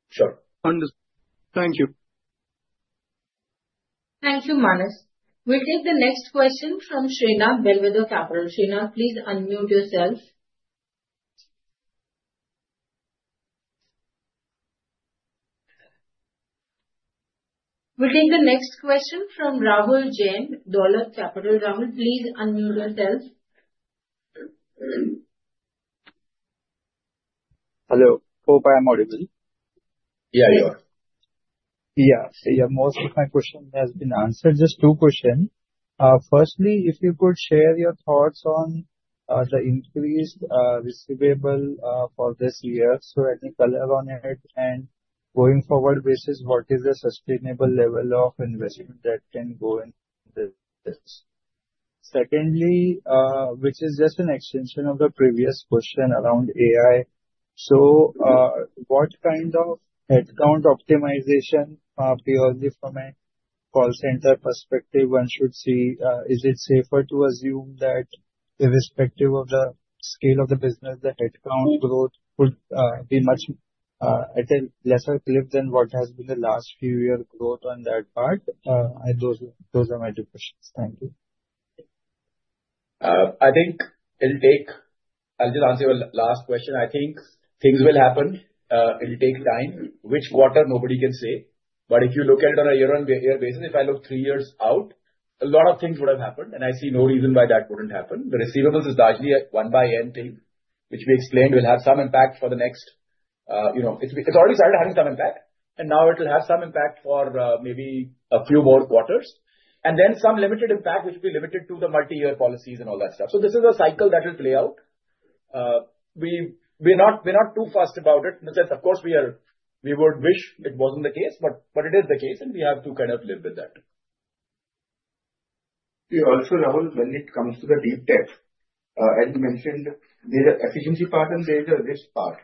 Sure. Understood. Thank you. Thank you, Manas. We'll take the next question from Srinath, Bellwether Capital. Srinath, please unmute yourself. We'll take the next question from Rahul Jain, Dolat Capital. Rahul, please unmute yourself. Hello. Hope I am audible. Yeah, you are. Yeah. Yeah. Most of my questions have been answered. Just two questions. Firstly, if you could share your thoughts on the increased receivable for this year. Any color on it? Going forward, what is the sustainable level of investment that can go in this? Secondly, which is just an extension of the previous question around AI, what kind of headcount optimization, purely from a call center perspective, one should see? Is it safer to assume that, irrespective of the scale of the business, the headcount growth could be much at a lesser cliff than what has been the last few years' growth on that part? Those are my two questions. Thank you. I think it'll take—I’ll just answer your last question. I think things will happen. It'll take time, which quarter nobody can say. If you look at it on a year-on-year basis, if I look three years out, a lot of things would have happened. I see no reason why that wouldn't happen. The receivables is largely a one-by-N thing, which we explained will have some impact for the next—it’s already started having some impact. Now it'll have some impact for maybe a few more quarters. Then some limited impact, which will be limited to the multi-year policies and all that stuff. This is a cycle that will play out. We're not too fast about it in the sense, of course, we would wish it wasn't the case. It is the case. We have to kind of live with that. Also, Rahul, when it comes to the deep tech, as you mentioned, there's an efficiency part and there's a risk part.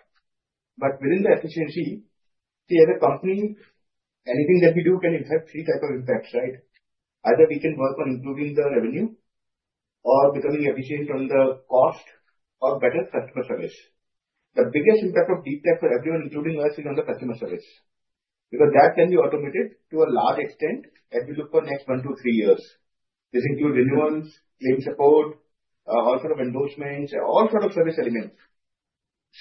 Within the efficiency, see, as a company, anything that we do can have three types of impacts, right? Either we can work on improving the revenue or becoming efficient on the cost or better customer service. The biggest impact of deep tech for everyone, including us, is on the customer service because that can be automated to a large extent as we look for the next one to three years. This includes renewals, claim support, all sorts of endorsements, all sorts of service elements.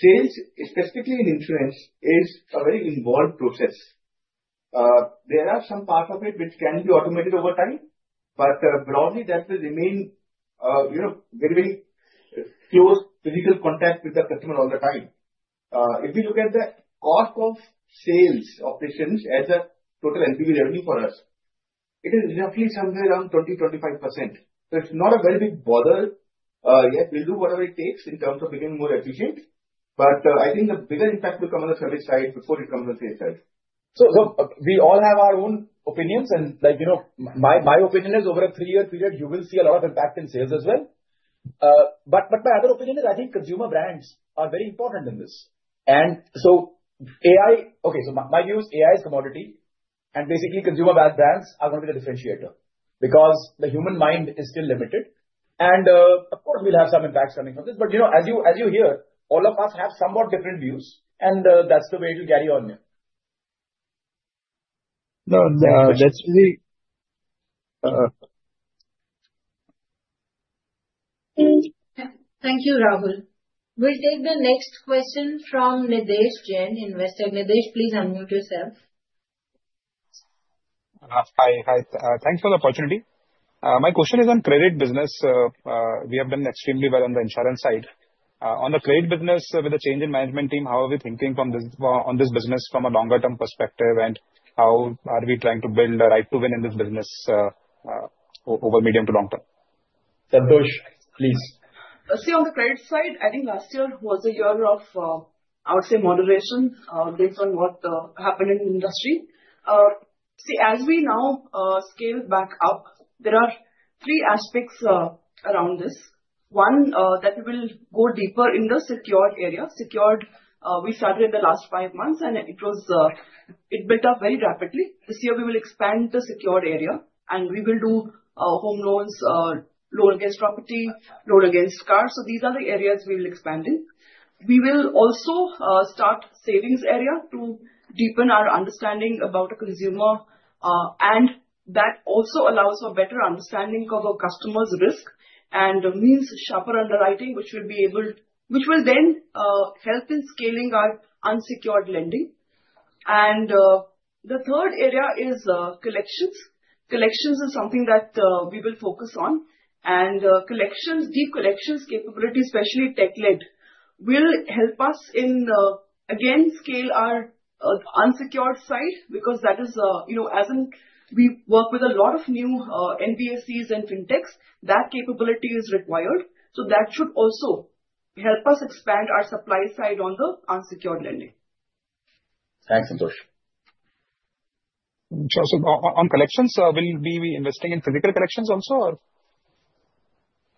Sales, specifically in insurance, is a very involved process. There are some parts of it which can be automated over time. Broadly, that will remain very, very close physical contact with the customer all the time. If we look at the cost of sales operations as a total LTV revenue for us, it is roughly somewhere around 20%-25%. It is not a very big bother. Yes, we will do whatever it takes in terms of becoming more efficient. I think the bigger impact will come on the service side before it comes on the sales side. We all have our own opinions. My opinion is over a three-year period, you will see a lot of impact in sales as well. My other opinion is I think consumer brands are very important in this. AI—okay, my view is AI is a commodity. Basically, consumer brands are going to be the differentiator because the human mind is still limited. Of course, we will have some impacts coming from this. As you hear, all of us have somewhat different views. That is the way it will carry on. No, that's really. Thank you, Rahul. We'll take the next question from Nidhesh Jain Investec. Nitesh, please unmute yourself. Hi. Thanks for the opportunity. My question is on credit business. We have done extremely well on the insurance side. On the credit business, with the change in management team, how are we thinking on this business from a longer-term perspective? How are we trying to build a right to win in this business over medium to long term? Santosh, please. See, on the credit side, I think last year was a year of, I would say, moderation based on what happened in the industry. As we now scale back up, there are three aspects around this. One, that we will go deeper in the secured area. Secured, we started in the last five months, and it built up very rapidly. This year, we will expand the secured area. We will do home loans, loan against property, loan against cars. These are the areas we will expand in. We will also start savings area to deepen our understanding about a consumer. That also allows for better understanding of a customer's risk and means sharper underwriting, which will then help in scaling our unsecured lending. The third area is collections. Collections is something that we will focus on. Deep collections capability, especially tech-led, will help us in, again, scale our unsecured side because that is, as we work with a lot of new NBFCs and fintechs, that capability is required. That should also help us expand our supply side on the unsecured lending. Thanks, Santosh. On collections, will we be investing in physical collections also?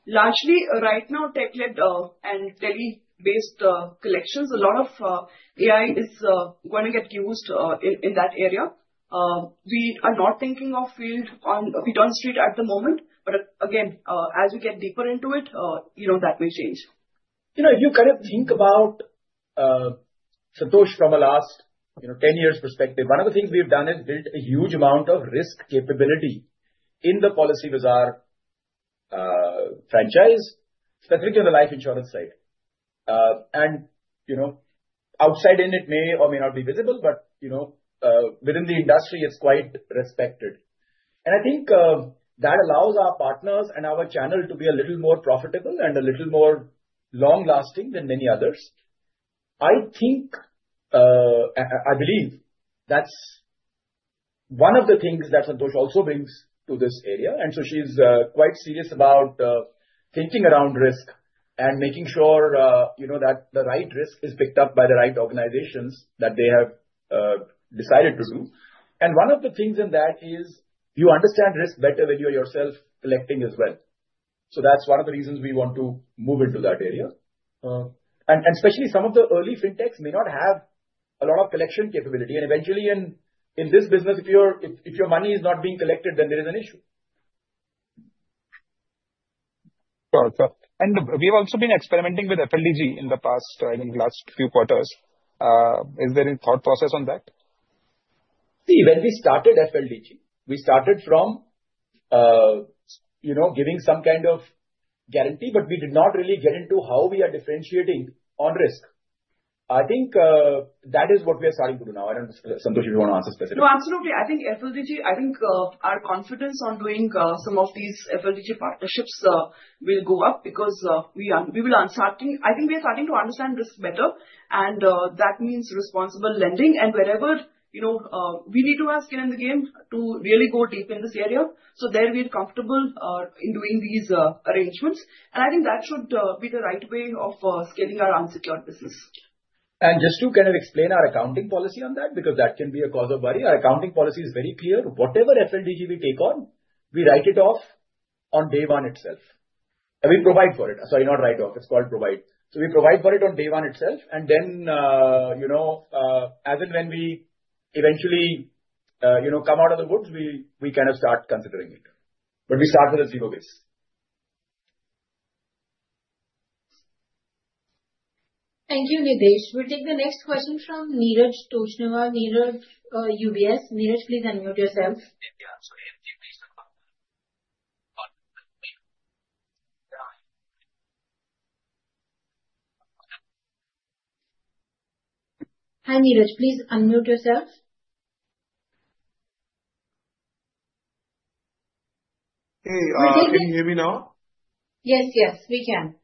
Largely, right now, tech-led and tele-based collections, a lot of AI is going to get used in that area. We are not thinking of field on P2 Street at the moment. Again, as we get deeper into it, that may change. If you kind of think about Santosh from a last 10 years' perspective, one of the things we've done is built a huge amount of risk capability in the Paisabazaar franchise, specifically on the life insurance side. Outside in, it may or may not be visible. Within the industry, it's quite respected. I think that allows our partners and our channel to be a little more profitable and a little more long-lasting than many others. I believe that's one of the things that Santosh also brings to this area. She is quite serious about thinking around risk and making sure that the right risk is picked up by the right organizations that they have decided to do. One of the things in that is you understand risk better when you're yourself collecting as well. That is one of the reasons we want to move into that area. Especially some of the early fintechs may not have a lot of collection capability. Eventually, in this business, if your money is not being collected, then there is an issue. Sure. We have also been experimenting with FLDG in the past, I think, last few quarters. Is there any thought process on that? See, when we started FLDG, we started from giving some kind of guarantee. We did not really get into how we are differentiating on risk. I think that is what we are starting to do now. I do not know, Santosh, if you want to answer specifically. No, absolutely. I think FLDG, I think our confidence on doing some of these FLDG partnerships will go up because we will start to—I think we are starting to understand risk better. That means responsible lending. Wherever we need to ask in the game to really go deep in this area. There, we're comfortable in doing these arrangements. I think that should be the right way of scaling our unsecured business. Just to kind of explain our accounting policy on that, because that can be a cause of worry, our accounting policy is very clear. Whatever FLDG we take on, we write it off on day one itself. We provide for it. Sorry, not write off. It is called provide. We provide for it on day one itself. As and when we eventually come out of the woods, we kind of start considering it. We start with a zero base. Thank you, Nidhesh. We'll take the next question from Neeraj Toshniwal. Neeraj, UBS. Neeraj, please unmute yourself. Hi, Neeraj. Please unmute yourself. Hey, are you able to hear me now? Yes, yes. We can.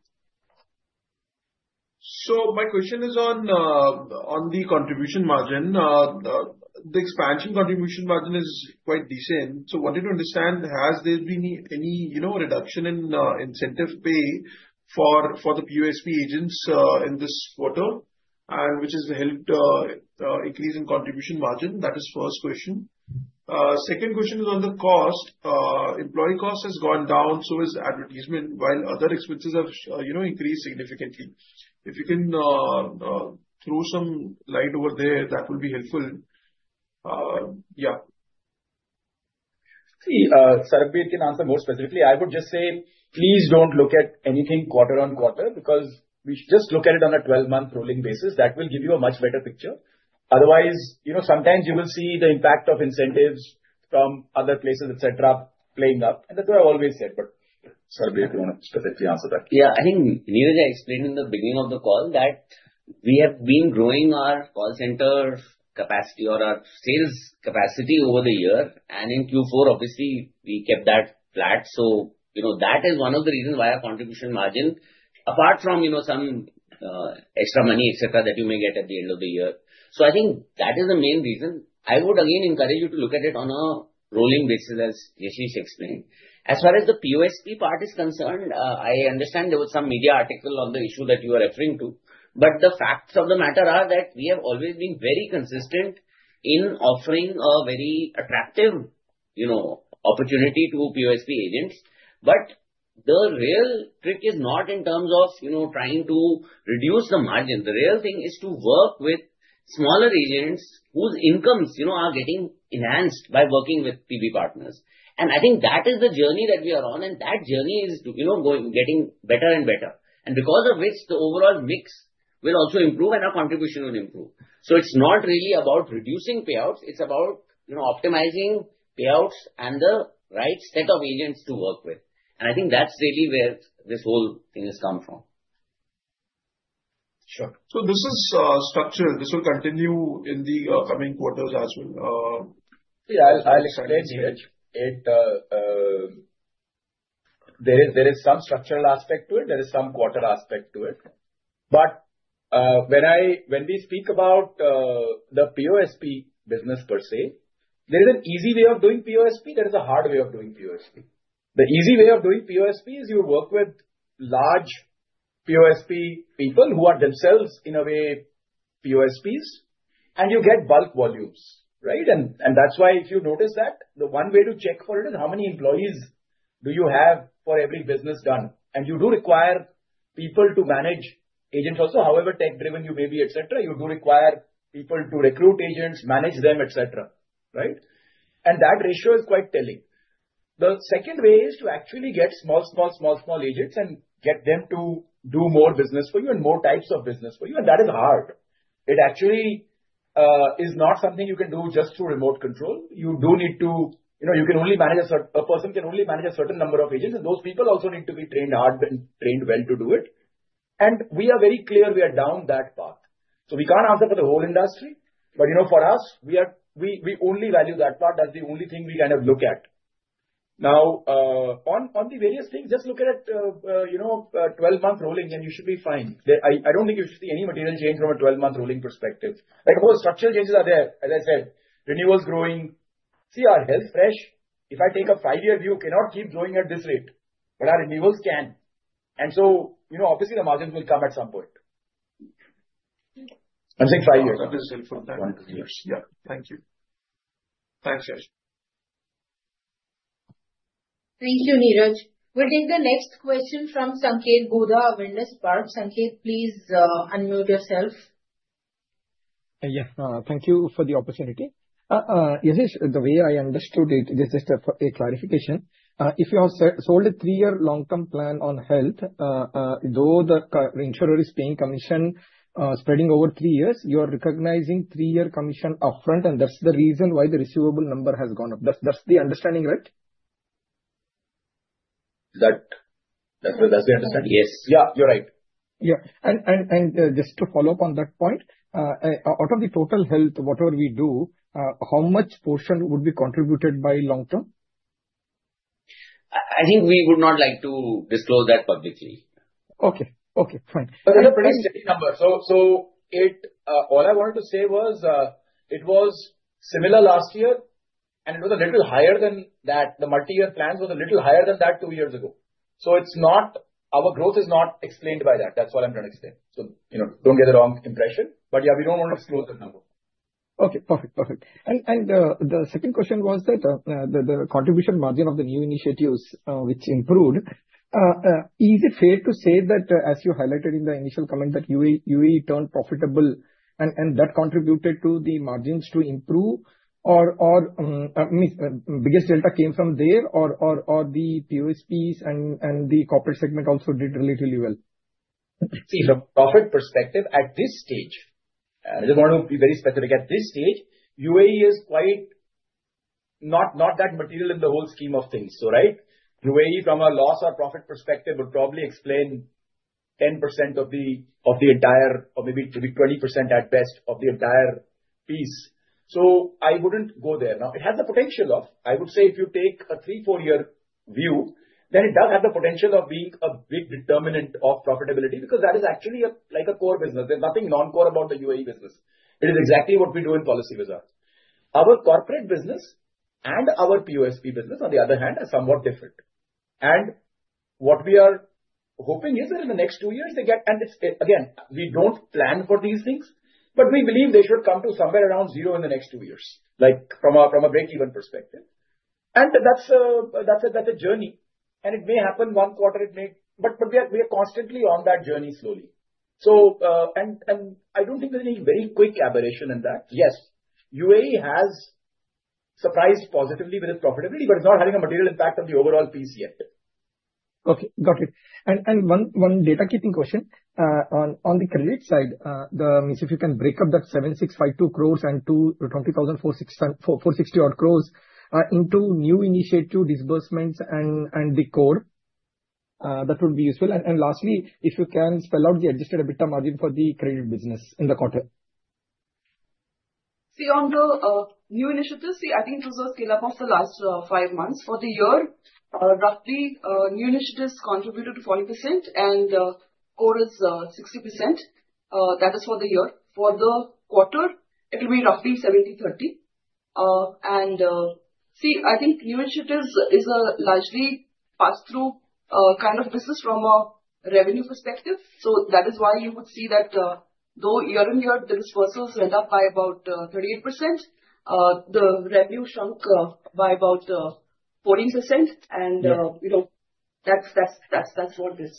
My question is on the contribution margin. The expansion contribution margin is quite decent. I wanted to understand, has there been any reduction in incentive pay for the POSP agents in this quarter, which has helped increase in contribution margin? That is the first question. Second question is on the cost. Employee cost has gone down, so has advertisement, while other expenses have increased significantly. If you can throw some light over there, that would be helpful. Yeah. See, Sarbvir can answer more specifically. I would just say, please do not look at anything quarter on quarter because we should just look at it on a 12-month rolling basis. That will give you a much better picture. Otherwise, sometimes you will see the impact of incentives from other places, etc., playing up. That is what I always said. Sarbvir can specifically answer that. Yeah. I think Neeraj explained in the beginning of the call that we have been growing our call center capacity or our sales capacity over the year. In Q4, obviously, we kept that flat. That is one of the reasons why our contribution margin, apart from some extra money, etc., that you may get at the end of the year. I think that is the main reason. I would, again, encourage you to look at it on a rolling basis, as Yashish explained. As far as the POSP part is concerned, I understand there was some media article on the issue that you were referring to. The facts of the matter are that we have always been very consistent in offering a very attractive opportunity to POSP agents. The real trick is not in terms of trying to reduce the margin. The real thing is to work with smaller agents whose incomes are getting enhanced by working with PB Partners. I think that is the journey that we are on. That journey is getting better and better, because of which the overall mix will also improve and our contribution will improve. It's not really about reducing payouts. It's about optimizing payouts and the right set of agents to work with. I think that's really where this whole thing has come from. Sure. This is structured. This will continue in the coming quarters as well. See, I'll explain here. There is some structural aspect to it. There is some quarter aspect to it. When we speak about the POSP business per se, there is an easy way of doing POSP. There is a hard way of doing POSP. The easy way of doing POSP is you work with large POSP people who are themselves, in a way, POSPs. You get bulk volumes, right? If you notice that, the one way to check for it is how many employees do you have for every business done. You do require people to manage agents also, however tech-driven you may be, etc. You do require people to recruit agents, manage them, etc., right? That ratio is quite telling. The second way is to actually get small, small agents and get them to do more business for you and more types of business for you. That is hard. It actually is not something you can do just through remote control. You do need to—you can only manage, a person can only manage a certain number of agents. Those people also need to be trained hard and trained well to do it. We are very clear we are down that path. We cannot answer for the whole industry. For us, we only value that part as the only thing we kind of look at. Now, on the various things, just look at 12-month rolling, and you should be fine. I do not think you should see any material change from a 12-month rolling perspective. Of course, structural changes are there, as I said. Renewals growing. See, our health, fresh, if I take a five-year view, cannot keep growing at this rate. Our renewals can. Obviously, the margins will come at some point. I'm saying five years. That is helpful. One to two years. Yeah. Thank you. Thanks, Yash. Thank you, Neeraj. We'll take the next question from Sanketh Godha, Avendus Spark. Sanketh, please unmute yourself. Yeah. Thank you for the opportunity. Yashish, the way I understood it, this is just a clarification. If you have sold a three-year long-term plan on health, though the insurer is paying commission spreading over three years, you are recognizing three-year commission upfront. That's the reason why the receivable number has gone up. That's the understanding, right? That's the understanding? Yes. Yeah. You're right. Yeah. Just to follow up on that point, out of the total health, whatever we do, how much portion would be contributed by long-term? I think we would not like to disclose that publicly. Okay. Okay. Fine. It's a pretty steady number. All I wanted to say was it was similar last year. It was a little higher than that. The multi-year plans were a little higher than that two years ago. Our growth is not explained by that. That's all I'm trying to explain. Don't get the wrong impression. Yeah, we don't want to disclose that number. Okay. Perfect. Perfect. The second question was that the contribution margin of the new initiatives, which improved, is it fair to say that, as you highlighted in the initial comment, that UAE turned profitable and that contributed to the margins to improve? I mean, the biggest delta came from there? Or the POSPs and the corporate segment also did relatively well? See, from a profit perspective, at this stage, I just want to be very specific. At this stage, UAE is quite not that material in the whole scheme of things, right? UAE, from a loss or profit perspective, would probably explain 10% of the entire, or maybe 20% at best, of the entire piece. I would not go there. Now, it has the potential of—I would say if you take a three, four-year view, then it does have the potential of being a big determinant of profitability because that is actually like a core business. There is nothing non-core about the UAE business. It is exactly what we do in Policybazaar. Our corporate business and our POSP business, on the other hand, are somewhat different. What we are hoping is that in the next two years, they get—and again, we do not plan for these things. We believe they should come to somewhere around zero in the next two years, from a break-even perspective. That is a journey. It may happen one quarter. We are constantly on that journey slowly. I do not think there is any very quick aberration in that. Yes, UAE has surprised positively with its profitability, but it is not having a material impact on the overall piece yet. Okay. Got it. One data-keeping question on the credit side. That means if you can break up that 7,652 crores and 20,460 crores into new initiative disbursements and the core, that would be useful. Lastly, if you can spell out the adjusted EBITDA margin for the credit business in the quarter. See, on the new initiatives, I think those are scaled up over the last five months. For the year, roughly, new initiatives contributed to 40% and core is 60%. That is for the year. For the quarter, it will be roughly 70/30. I think new initiatives is a largely pass-through kind of business from a revenue perspective. That is why you would see that, though year-on-year, the disbursals went up by about 38%, the revenue shrunk by about 14%. And that's what this.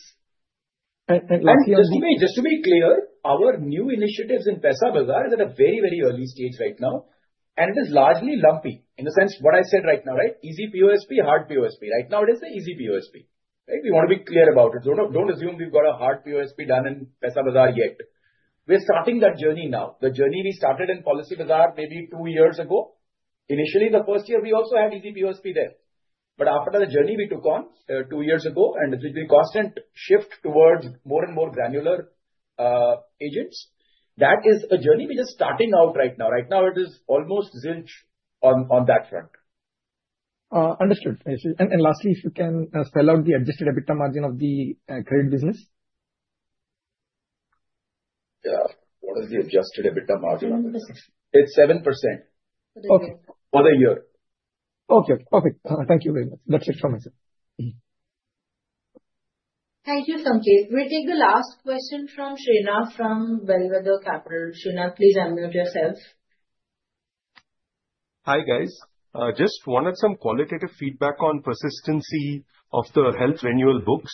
Lastly, I would say. Just to be clear, our new initiatives in Paisabazaar are at a very, very early stage right now. It is largely lumpy in the sense what I said right now, right? Easy POSP, hard POSP. Right now, it is the easy POSP, right? We want to be clear about it. Do not assume we have got a hard POSP done in Paisabazaar yet. We are starting that journey now. The journey we started in Policybazaar maybe two years ago. Initially, the first year, we also had easy PSP there. After the journey we took on two years ago, and it has been a constant shift towards more and more granular agents, that is a journey we are just starting out right now. Right now, it is almost zilch on that front. Understood. Lastly, if you can spell out the adjusted EBITDA margin of the credit business. Yeah. What is the adjusted EBITDA margin on the business? It's 7% for the year. Okay. Okay. Perfect. Thank you very much. That's it from myself. Thank you, Sanketh. We'll take the last question from Srinath from Bellwether Capital. Srinath, please unmute yourself. Hi, guys. Just wanted some qualitative feedback on persistency of the health renewal books.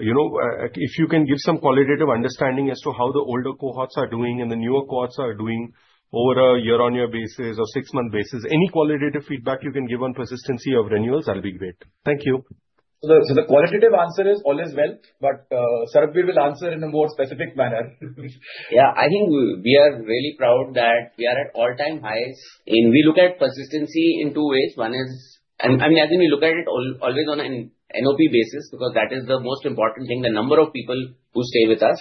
If you can give some qualitative understanding as to how the older cohorts are doing and the newer cohorts are doing over a year-on-year basis or six-month basis, any qualitative feedback you can give on persistency of renewals, that'll be great. Thank you. The qualitative answer is always well. Sarbvir will answer in a more specific manner. Yeah. I think we are really proud that we are at all-time highs. We look at persistency in two ways. I mean, as in we look at it always on an NOP basis because that is the most important thing, the number of people who stay with us.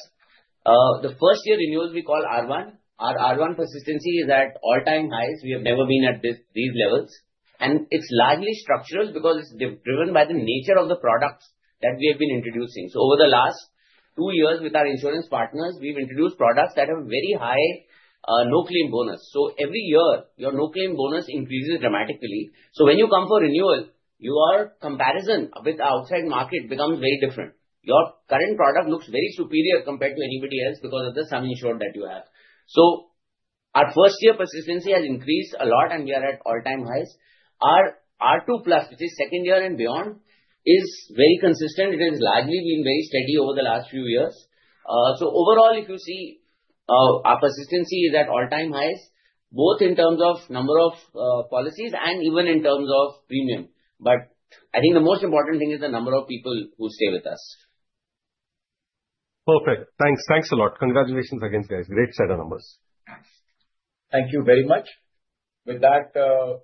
The first-year renewals we call R1. Our R1 persistency is at all-time highs. We have never been at these levels. It is largely structural because it is driven by the nature of the products that we have been introducing. Over the last two years with our insurance partners, we have introduced products that have very high no-claim bonus. Every year, your no-claim bonus increases dramatically. When you come for renewal, your comparison with the outside market becomes very different. Your current product looks very superior compared to anybody else because of the sum insured that you have. Our first-year persistency has increased a lot, and we are at all-time highs. Our R2 plus, which is second year and beyond, is very consistent. It has largely been very steady over the last few years. Overall, if you see, our persistency is at all-time highs, both in terms of number of policies and even in terms of premium. I think the most important thing is the number of people who stay with us. Perfect. Thanks. Thanks a lot. Congratulations again, guys. Great set of numbers. Thank you very much. With that,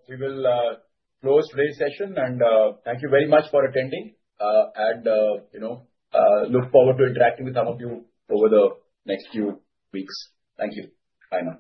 we will close today's session. Thank you very much for attending. I look forward to interacting with some of you over the next few weeks. Thank you. Bye now.